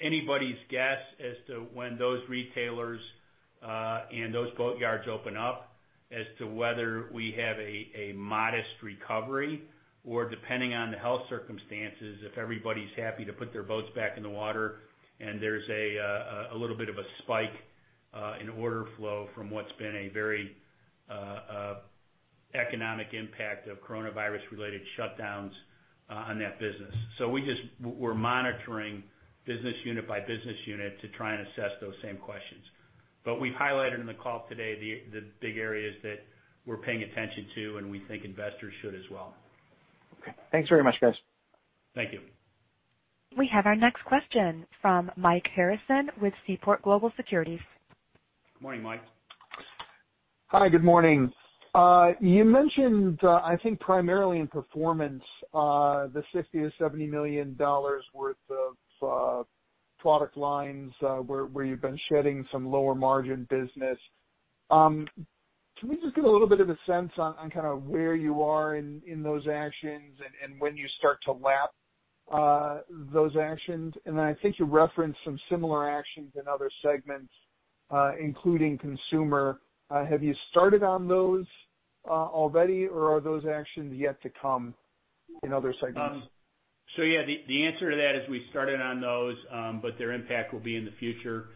anybody's guess as to when those retailers and those boatyards open up as to whether we have a modest recovery or depending on the health circumstances, if everybody's happy to put their boats back in the water and there's a little bit of a spike in order flow from what's been a very economic impact of coronavirus related shutdowns on that business. We're monitoring business unit by business unit to try and assess those same questions. We've highlighted in the call today the big areas that we're paying attention to, and we think investors should as well. Okay. Thanks very much, guys. Thank you. We have our next question from Mike Harrison with Seaport Global Securities. Good morning, Mike. Hi, good morning. You mentioned, I think primarily in Performance, the $60 million-$70 million worth of product lines where you've been shedding some lower margin business. Can we just get a little bit of a sense on kind of where you are in those actions and when you start to lap those actions? I think you referenced some similar actions in other segments, including Consumer. Have you started on those already, or are those actions yet to come in other segments? Yeah, the answer to that is we've started on those, but their impact will be in the future.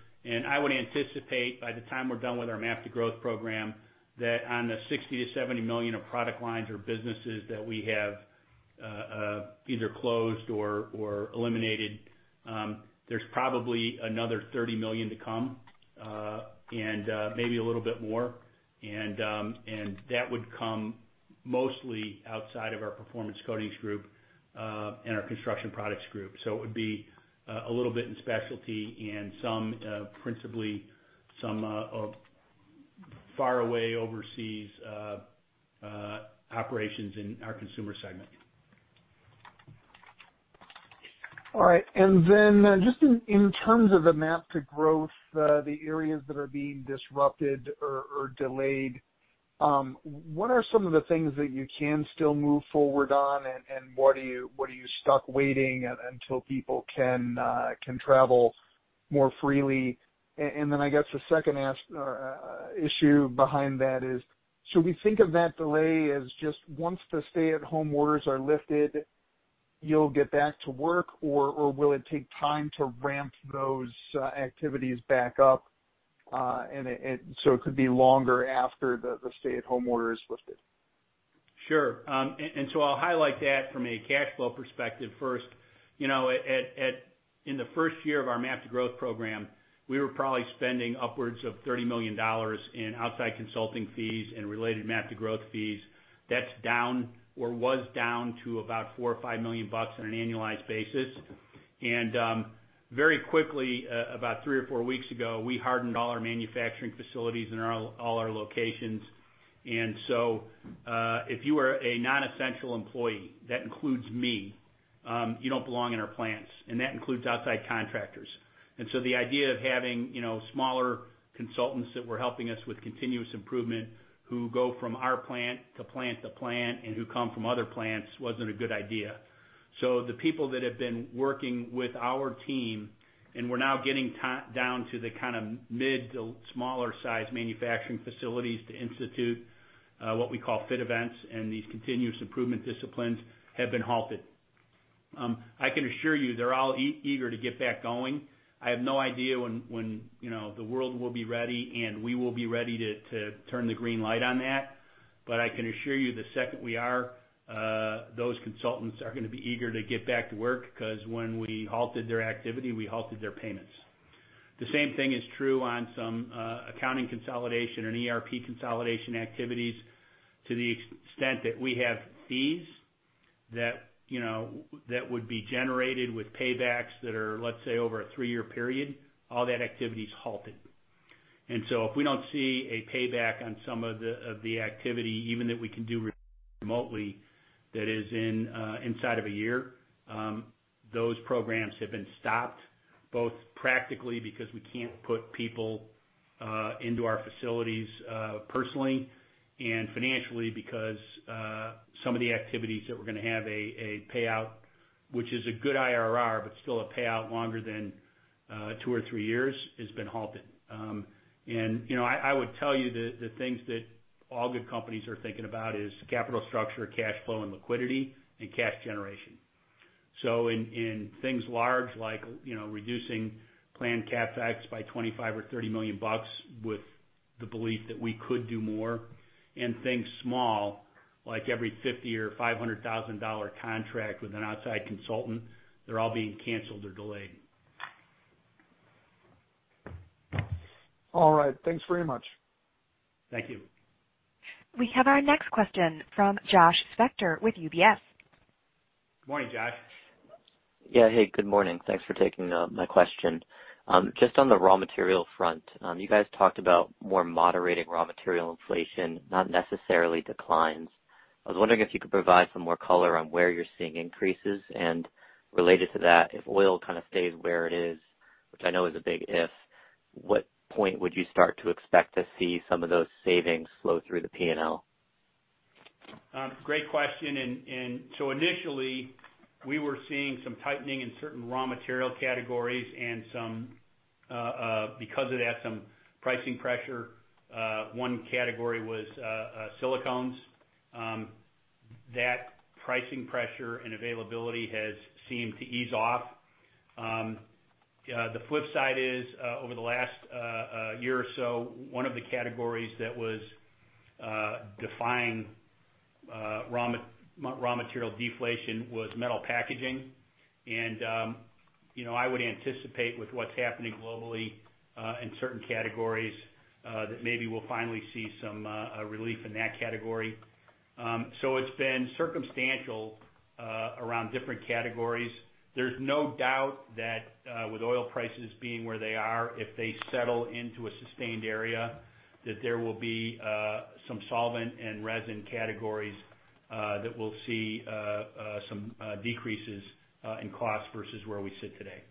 I would anticipate by the time we're done with our MAP to Growth program, that on the $60 million-$70 million of product lines or businesses that we have either closed or eliminated, there's probably another $30 million to come, and maybe a little bit more. That would come mostly outside of our Performance Coatings Group and our Construction Products Group. It would be a little bit in Specialty and principally some far away overseas operations in our Consumer segment. All right, then just in terms of the MAP to Growth, the areas that are being disrupted or delayed, what are some of the things that you can still move forward on and what are you stuck waiting until people can travel more freely? Then I guess the second issue behind that is, should we think of that delay as just once the stay-at-home orders are lifted, you'll get back to work, or will it take time to ramp those activities back up, so it could be longer after the stay-at-home order is lifted? Sure. I'll highlight that from a cash flow perspective first. In the first year of our MAP to Growth program, we were probably spending upwards of $30 million in outside consulting fees and related MAP to Growth fees. That's down or was down to about $4 million or $5 million on an annualized basis. Very quickly, about three or four weeks ago, we hardened all our manufacturing facilities in all our locations. If you are a non-essential employee, that includes me, you don't belong in our plants, and that includes outside contractors. The idea of having smaller consultants that were helping us with continuous improvement, who go from our plant to plant to plant and who come from other plants, wasn't a good idea. The people that have been working with our team, and we're now getting down to the kind of mid- to smaller-size manufacturing facilities to institute what we call fit events, and these continuous improvement disciplines have been halted. I can assure you they're all eager to get back going. I have no idea when the world will be ready, and we will be ready to turn the green light on that. I can assure you the second we are, those consultants are going to be eager to get back to work, because when we halted their activity, we halted their payments. The same thing is true on some accounting consolidation and ERP consolidation activities to the extent that we have fees that would be generated with paybacks that are, let's say, over a three-year period. All that activity is halted. If we don't see a payback on some of the activity, even that we can do remotely, that is inside of a year, those programs have been stopped, both practically because we can't put people into our facilities personally and financially because some of the activities that were going to have a payout, which is a good IRR, but still a payout longer than two or three years, has been halted. I would tell you the things that all good companies are thinking about is capital structure, cash flow and liquidity, and cash generation. In things large like reducing planned CapEx by $25 million-$30 million with the belief that we could do more, and things small, like every $50,000-$500,000 contract with an outside consultant, they're all being canceled or delayed. All right. Thanks very much. Thank you. We have our next question from Josh Spector with UBS. Good morning, Josh. Yeah. Hey, good morning. Thanks for taking my question. Just on the raw material front, you guys talked about more moderating raw material inflation, not necessarily declines. I was wondering if you could provide some more color on where you're seeing increases. Related to that, if oil kind of stays where it is, which I know is a big if, what point would you start to expect to see some of those savings flow through the P&L? Great question. Initially, we were seeing some tightening in certain raw material categories and because of that, some pricing pressure. One category was silicones. That pricing pressure and availability has seemed to ease off. The flip side is, over the last year or so, one of the categories that was defying raw material deflation was metal packaging. I would anticipate with what's happening globally, in certain categories, that maybe we'll finally see some relief in that category. It's been circumstantial around different categories. There's no doubt that with oil prices being where they are, if they settle into a sustained area, that there will be some solvent and resin categories that will see some decreases in cost versus where we sit today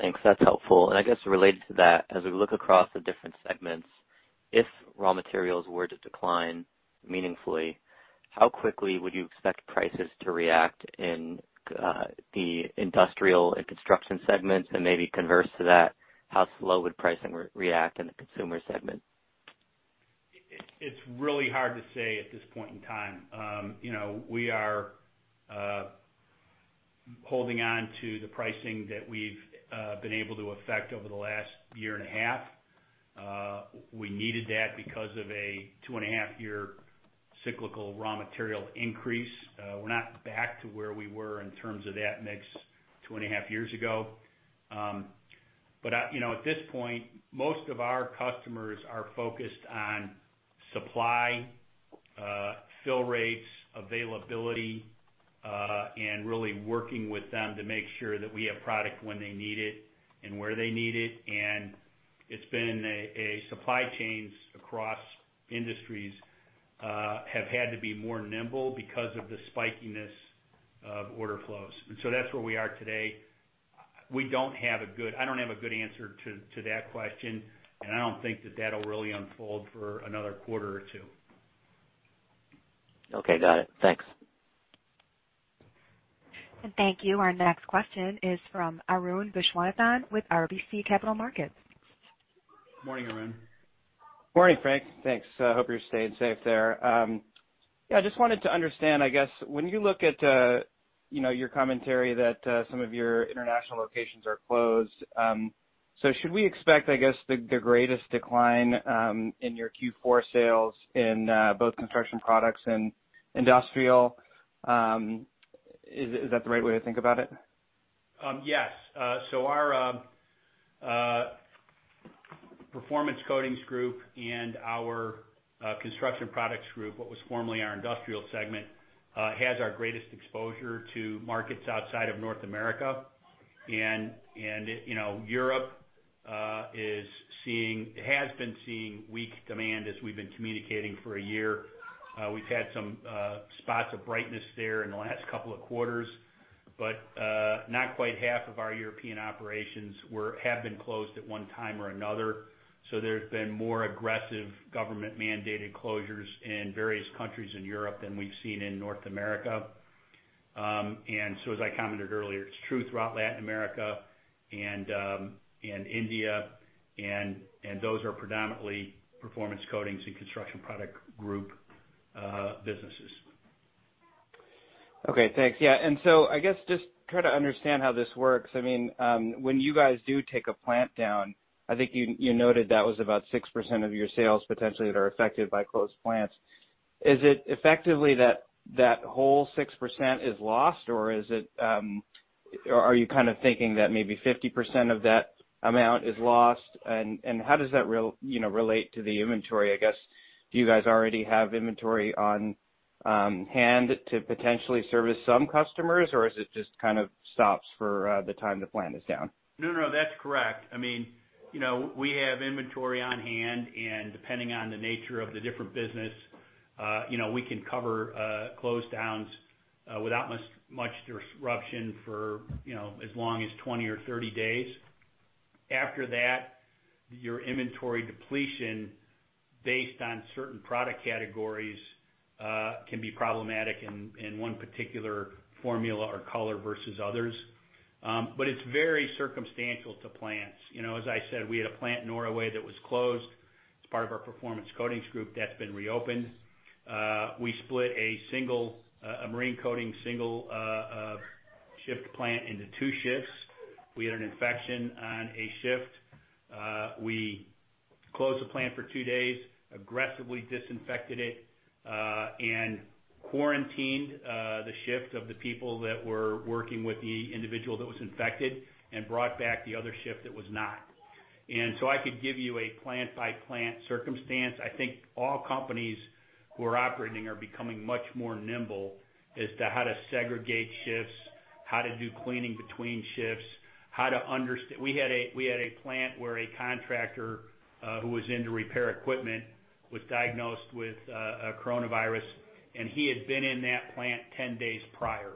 Thanks. That's helpful. I guess related to that, as we look across the different segments, if raw materials were to decline meaningfully, how quickly would you expect prices to react in the industrial and construction segments? Maybe converse to that, how slow would pricing react in the Consumer segment? It's really hard to say at this point in time. We are holding on to the pricing that we've been able to affect over the last year and a half. We needed that because of a two-and-a-half year cyclical raw material increase. We're not back to where we were in terms of that mix two and a half years ago. At this point, most of our customers are focused on supply, fill rates, availability, and really working with them to make sure that we have product when they need it and where they need it. Supply chains across industries have had to be more nimble because of the spikiness of order flows. That's where we are today. I don't have a good answer to that question, and I don't think that that'll really unfold for another quarter or two. Okay, got it. Thanks. Thank you. Our next question is from Arun Viswanathan with RBC Capital Markets. Morning, Arun. Morning, Frank. Thanks. I hope you're staying safe there. Yeah, I just wanted to understand, I guess, when you look at your commentary that some of your international locations are closed. Should we expect, I guess, the greatest decline in your Q4 sales in both Construction Products and industrial? Is that the right way to think about it? Yes. Our Performance Coatings Group and our Construction Products Group, what was formerly our Industrial segment, has our greatest exposure to markets outside of North America. Europe has been seeing weak demand as we've been communicating for a year. We've had some spots of brightness there in the last couple of quarters, but not quite half of our European operations have been closed at one time or another. There's been more aggressive government-mandated closures in various countries in Europe than we've seen in North America. As I commented earlier, it's true throughout Latin America and India, and those are predominantly Performance Coatings and Construction Products Group businesses. Okay, thanks. I guess just try to understand how this works. When you guys do take a plant down, I think you noted that was about 6% of your sales potentially that are affected by closed plants. Is it effectively that that whole 6% is lost, or are you kind of thinking that maybe 50% of that amount is lost? How does that relate to the inventory, I guess? Do you guys already have inventory on hand to potentially service some customers, or is it just kind of stops for the time the plant is down? No, that's correct. We have inventory on hand, and depending on the nature of the different business, we can cover closedowns without much disruption for as long as 20 or 30 days. After that, your inventory depletion based on certain product categories can be problematic in one particular formula or color versus others. It's very circumstantial to plants. As I said, we had a plant in Norway that was closed. It's part of our Performance Coatings Group that's been reopened. We split a marine coating single shift plant into two shifts. We had an infection on a shift. We closed the plant for two days, aggressively disinfected it, and quarantined the shift of the people that were working with the individual that was infected and brought back the other shift that was not. I could give you a plant by plant circumstance. I think all companies who are operating are becoming much more nimble as to how to segregate shifts, how to do cleaning between shifts. We had a plant where a contractor who was in to repair equipment was diagnosed with coronavirus. He had been in that plant 10 days prior.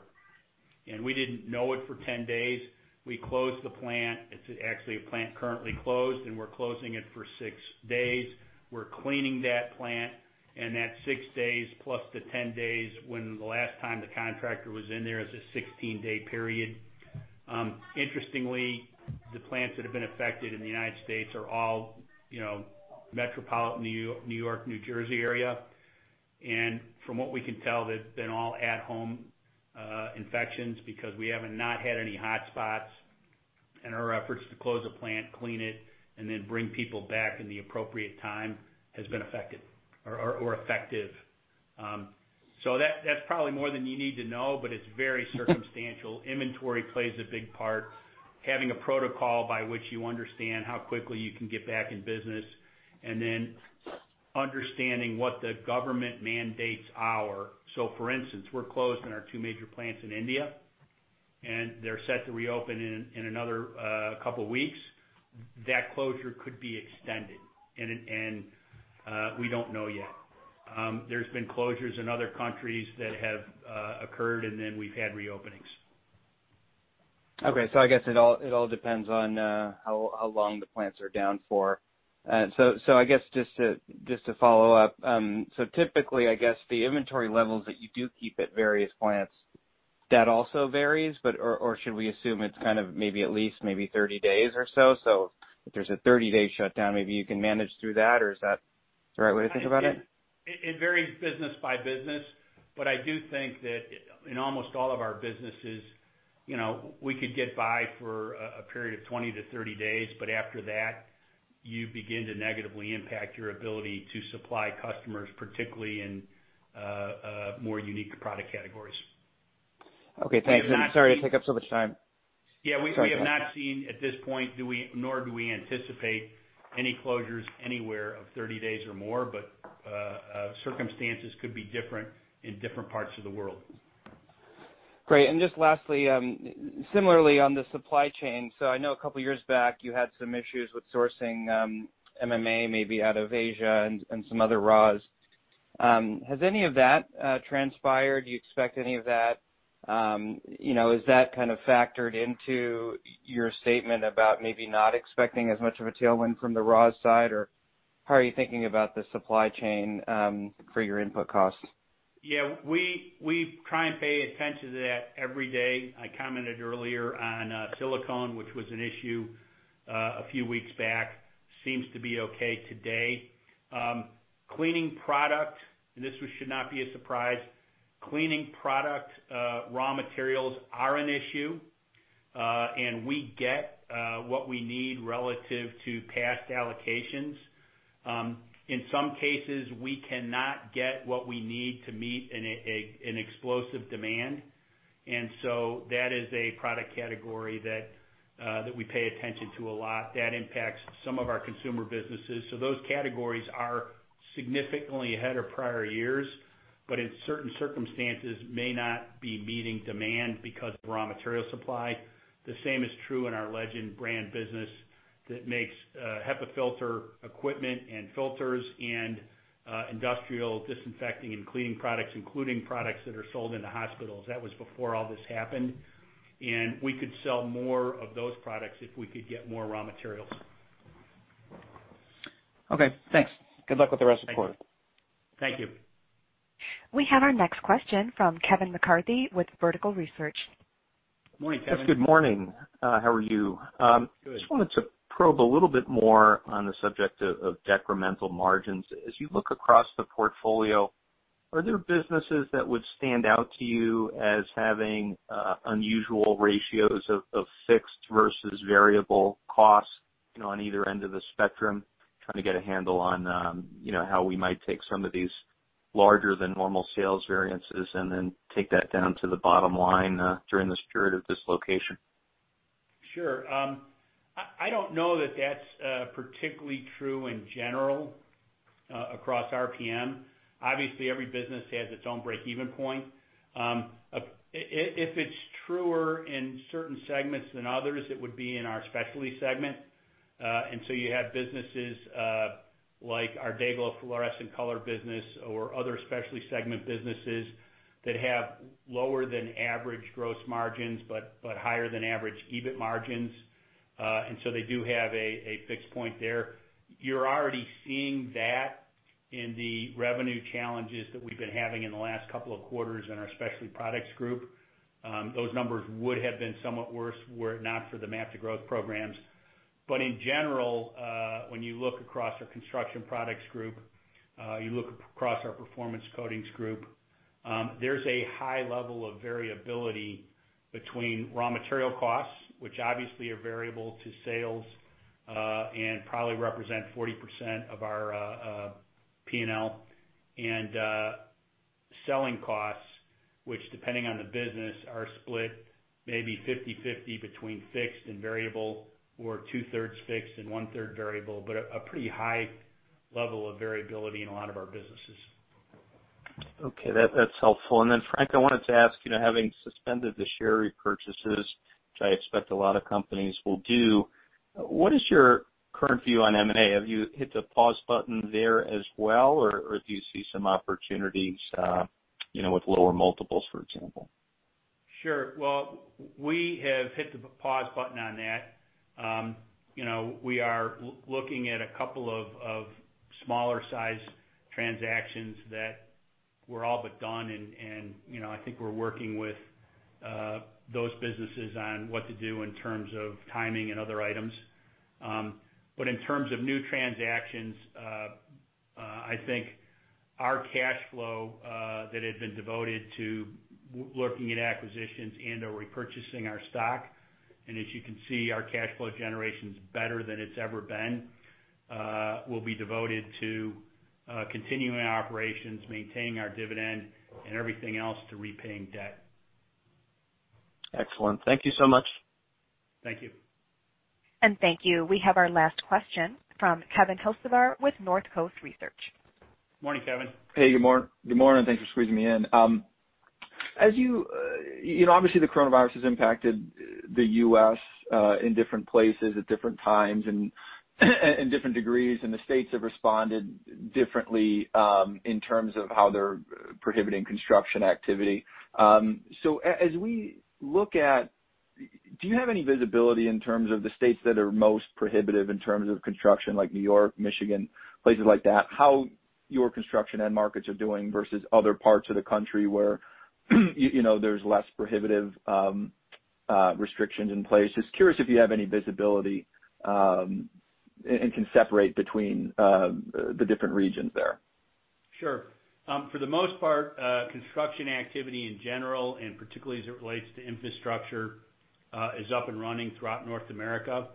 We didn't know it for 10 days. We closed the plant. It's actually a plant currently closed, and we're closing it for six days. We're cleaning that plant, and that six days plus the 10 days when the last time the contractor was in there is a 16-day period. Interestingly, the plants that have been affected in the United States are all metropolitan New York, New Jersey area. From what we can tell, they've been all at-home infections because we have not had any hotspots. Our efforts to close a plant, clean it, and then bring people back in the appropriate time has been effective. That's probably more than you need to know, but it's very circumstantial. Inventory plays a big part. Having a protocol by which you understand how quickly you can get back in business, and then understanding what the government mandates are. For instance, we're closed in our two major plants in India, and they're set to reopen in another couple of weeks. That closure could be extended, and we don't know yet. There's been closures in other countries that have occurred, and then we've had reopenings. Okay. I guess it all depends on how long the plants are down for. I guess, just to follow up, typically, I guess the inventory levels that you do keep at various plants, that also varies? Should we assume it's kind of maybe at least maybe 30 days or so? If there's a 30-day shutdown, maybe you can manage through that, or is that the right way to think about it? It varies business by business. I do think that in almost all of our businesses, we could get by for a period of 20-30 days, but after that, you begin to negatively impact your ability to supply customers, particularly in more unique product categories. Okay, thanks. I'm sorry to take up so much time. Yeah. We have not seen at this point, nor do we anticipate any closures anywhere of 30 days or more. Circumstances could be different in different parts of the world. Great. Just lastly, similarly on the supply chain, I know a couple of years back you had some issues with sourcing MMA, maybe out of Asia and some other raws. Has any of that transpired? Do you expect any of that? Is that kind of factored into your statement about maybe not expecting as much of a tailwind from the raws side, or how are you thinking about the supply chain for your input costs? Yeah. We try and pay attention to that every day. I commented earlier on silicone, which was an issue a few weeks back. Seems to be okay today. Cleaning product, this one should not be a surprise. Cleaning product raw materials are an issue. We get what we need relative to past allocations. In some cases, we cannot get what we need to meet an explosive demand. That is a product category that we pay attention to a lot that impacts some of our Consumer businesses. Those categories are significantly ahead of prior years, but in certain circumstances may not be meeting demand because of raw material supply. The same is true in our Legend Brands business that makes HEPA filter equipment and filters and industrial disinfecting and cleaning products, including products that are sold in the hospitals. That was before all this happened, and we could sell more of those products if we could get more raw materials. Okay, thanks. Good luck with the rest of the quarter. Thank you. We have our next question from Kevin McCarthy with Vertical Research. Morning, Kevin. Yes. Good morning. How are you? Good. Just wanted to probe a little bit more on the subject of decremental margins. As you look across the portfolio, are there businesses that would stand out to you as having unusual ratios of fixed versus variable costs on either end of the spectrum? Trying to get a handle on how we might take some of these larger than normal sales variances and then take that down to the bottom-line during this period of dislocation. Sure. I don't know that that's particularly true in general across RPM. Obviously, every business has its own break-even point. If it's truer in certain segments than others, it would be in our Specialty Products Group. You have businesses like our Day-Glo fluorescent color business or other Specialty segment businesses that have lower than average gross margins, but higher than average EBIT margins. They do have a fixed point there. You're already seeing that in the revenue challenges that we've been having in the last couple of quarters in our Specialty Products Group. Those numbers would have been somewhat worse were it not for the MAP to Growth programs. In general, when you look across our Construction Products Group, you look across our Performance Coatings Group, there's a high level of variability between raw material costs, which obviously are variable to sales, and probably represent 40% of our P&L and selling costs, which, depending on the business, are split maybe 50/50 between fixed and variable or 2/3 fixed and 1/3 variable. A pretty high level of variability in a lot of our businesses. Okay, that's helpful. Frank, I wanted to ask you, having suspended the share repurchases, which I expect a lot of companies will do, what is your current view on M&A? Have you hit the pause button there as well, or do you see some opportunities with lower multiples, for example? Sure. Well, we have hit the pause button on that. We are looking at a couple of smaller size transactions that were all but done, and I think we're working with those businesses on what to do in terms of timing and other items. In terms of new transactions, I think our cash flow that had been devoted to looking at acquisitions and/or repurchasing our stock, and as you can see, our cash flow generation's better than it's ever been, will be devoted to continuing our operations, maintaining our dividend, and everything else to repaying debt. Excellent. Thank you so much. Thank you. Thank you. We have our last question from Kevin Hocevar with Northcoast Research. Morning, Kevin. Hey, good morning. Thanks for squeezing me in. Obviously, the coronavirus has impacted the U.S. in different places at different times and different degrees. The states have responded differently in terms of how they're prohibiting construction activity. As we look at, do you have any visibility in terms of the states that are most prohibitive in terms of construction, like New York, Michigan, places like that, how your construction end markets are doing versus other parts of the country where there's less prohibitive restrictions in place? Just curious if you have any visibility and can separate between the different regions there. Sure. For the most part, construction activity in general, and particularly as it relates to infrastructure, is up and running throughout North America.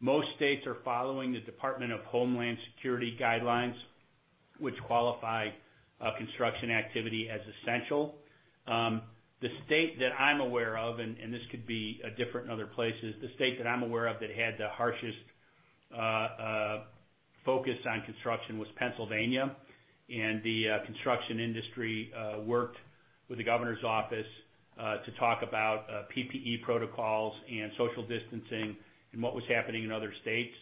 Most states are following the Department of Homeland Security guidelines, which qualify construction activity as essential. The state that I'm aware of, and this could be different in other places, the state that I'm aware of that had the harshest focus on construction was Pennsylvania, and the construction industry worked with the governor's office to talk about PPE protocols and social distancing and what was happening in other states.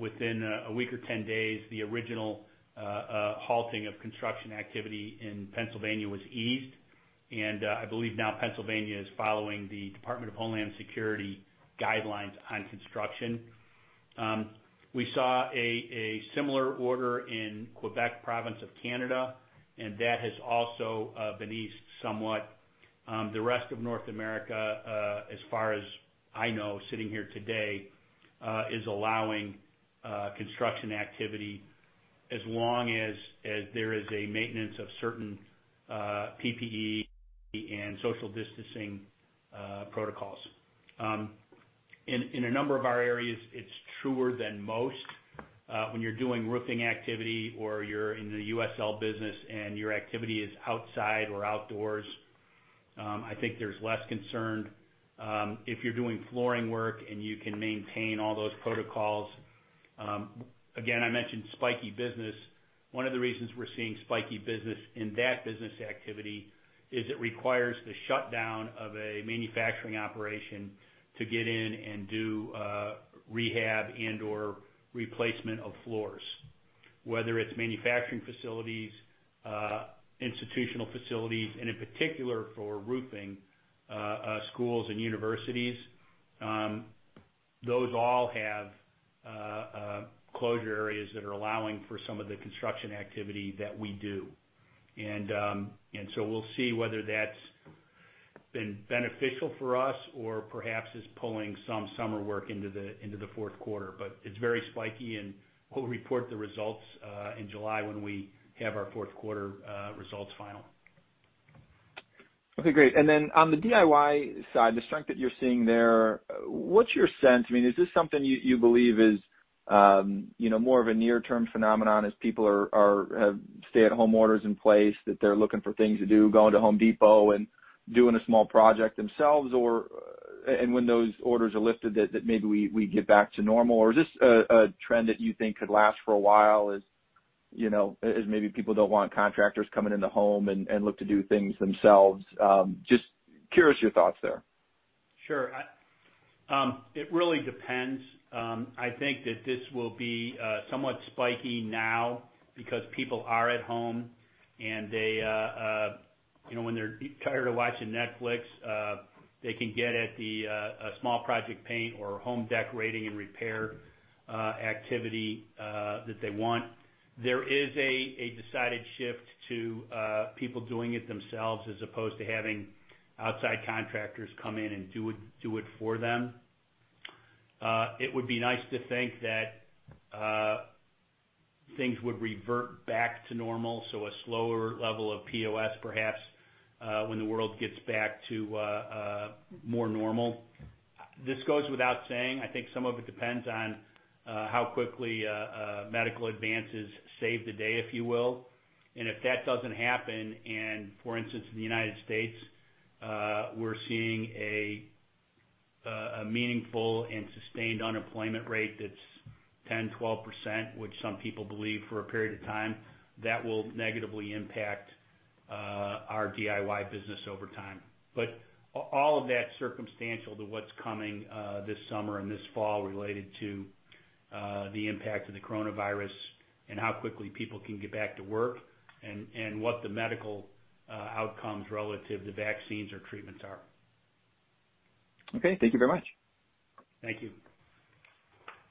Within a week or 10 days, the original halting of construction activity in Pennsylvania was eased. I believe now Pennsylvania is following the Department of Homeland Security guidelines on construction. We saw a similar order in Quebec province of Canada, and that has also been eased somewhat. The rest of North America, as far as I know sitting here today, is allowing construction activity as long as there is a maintenance of certain PPE and social distancing protocols. In a number of our areas, it's truer than most. When you're doing roofing activity or you're in the USL business and your activity is outside or outdoors, I think there's less concern. If you're doing flooring work and you can maintain all those protocols. Again, I mentioned spiky business. One of the reasons we're seeing spiky business in that business activity is it requires the shutdown of a manufacturing operation to get in and do rehab and/or replacement of floors. Whether it's manufacturing facilities, institutional facilities, and in particular for roofing, schools and universities, those all have closure areas that are allowing for some of the construction activity that we do. We'll see whether that's been beneficial for us or perhaps is pulling some summer work into the fourth quarter. It's very spiky, and we'll report the results in July when we have our fourth quarter results final. Okay, great. On the DIY side, the strength that you're seeing there, what's your sense? Is this something you believe is more of a near-term phenomenon as people have stay-at-home orders in place, that they're looking for things to do, going to The Home Depot and doing a small project themselves? When those orders are lifted, that maybe we get back to normal? Is this a trend that you think could last for a while as maybe people don't want contractors coming in the home and look to do things themselves? Just curious your thoughts there. Sure. It really depends. I think that this will be somewhat spiky now because people are at home, and when they're tired of watching Netflix, they can get at the small project paint or home decorating and repair activity that they want. There is a decided shift to people doing it themselves as opposed to having outside contractors come in and do it for them. It would be nice to think that things would revert back to normal, so a slower level of POS, perhaps, when the world gets back to more normal. This goes without saying, I think some of it depends on how quickly medical advances save the day, if you will. If that doesn't happen and, for instance, in the United States, we're seeing a meaningful and sustained unemployment rate that's 10%, 12%, which some people believe for a period of time, that will negatively impact our DIY business over time. All of that's circumstantial to what's coming this summer and this fall related to the impact of the coronavirus and how quickly people can get back to work and what the medical outcomes relative to vaccines or treatments are. Okay. Thank you very much. Thank you.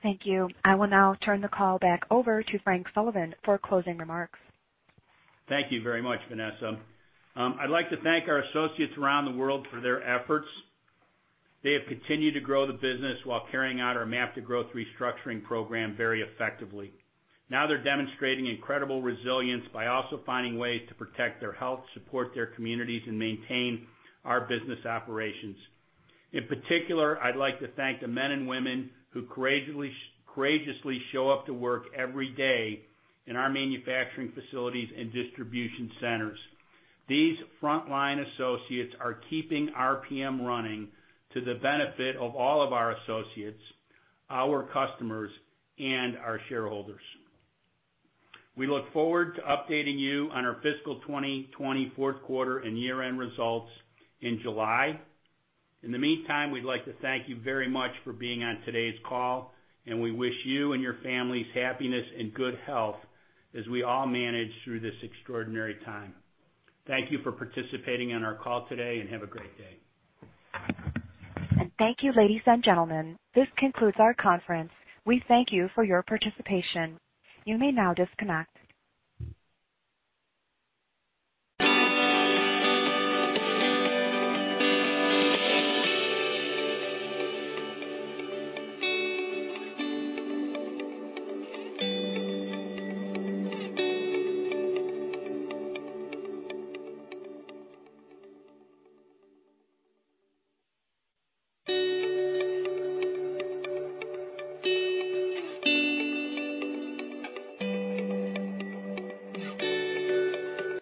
Thank you. I will now turn the call back over to Frank Sullivan for closing remarks. Thank you very much, Vanessa. I'd like to thank our associates around the world for their efforts. They have continued to grow the business while carrying out our MAP to Growth restructuring program very effectively. Now they're demonstrating incredible resilience by also finding ways to protect their health, support their communities, and maintain our business operations. In particular, I'd like to thank the men and women who courageously show up to work every day in our manufacturing facilities and distribution centers. These frontline associates are keeping RPM running to the benefit of all of our associates, our customers, and our shareholders. We look forward to updating you on our fiscal 2020 fourth quarter and year-end results in July. In the meantime, we'd like to thank you very much for being on today's call, and we wish you and your families happiness and good health as we all manage through this extraordinary time. Thank you for participating on our call today, and have a great day. Thank you, ladies and gentlemen. This concludes our conference. We thank you for your participation. You may now disconnect.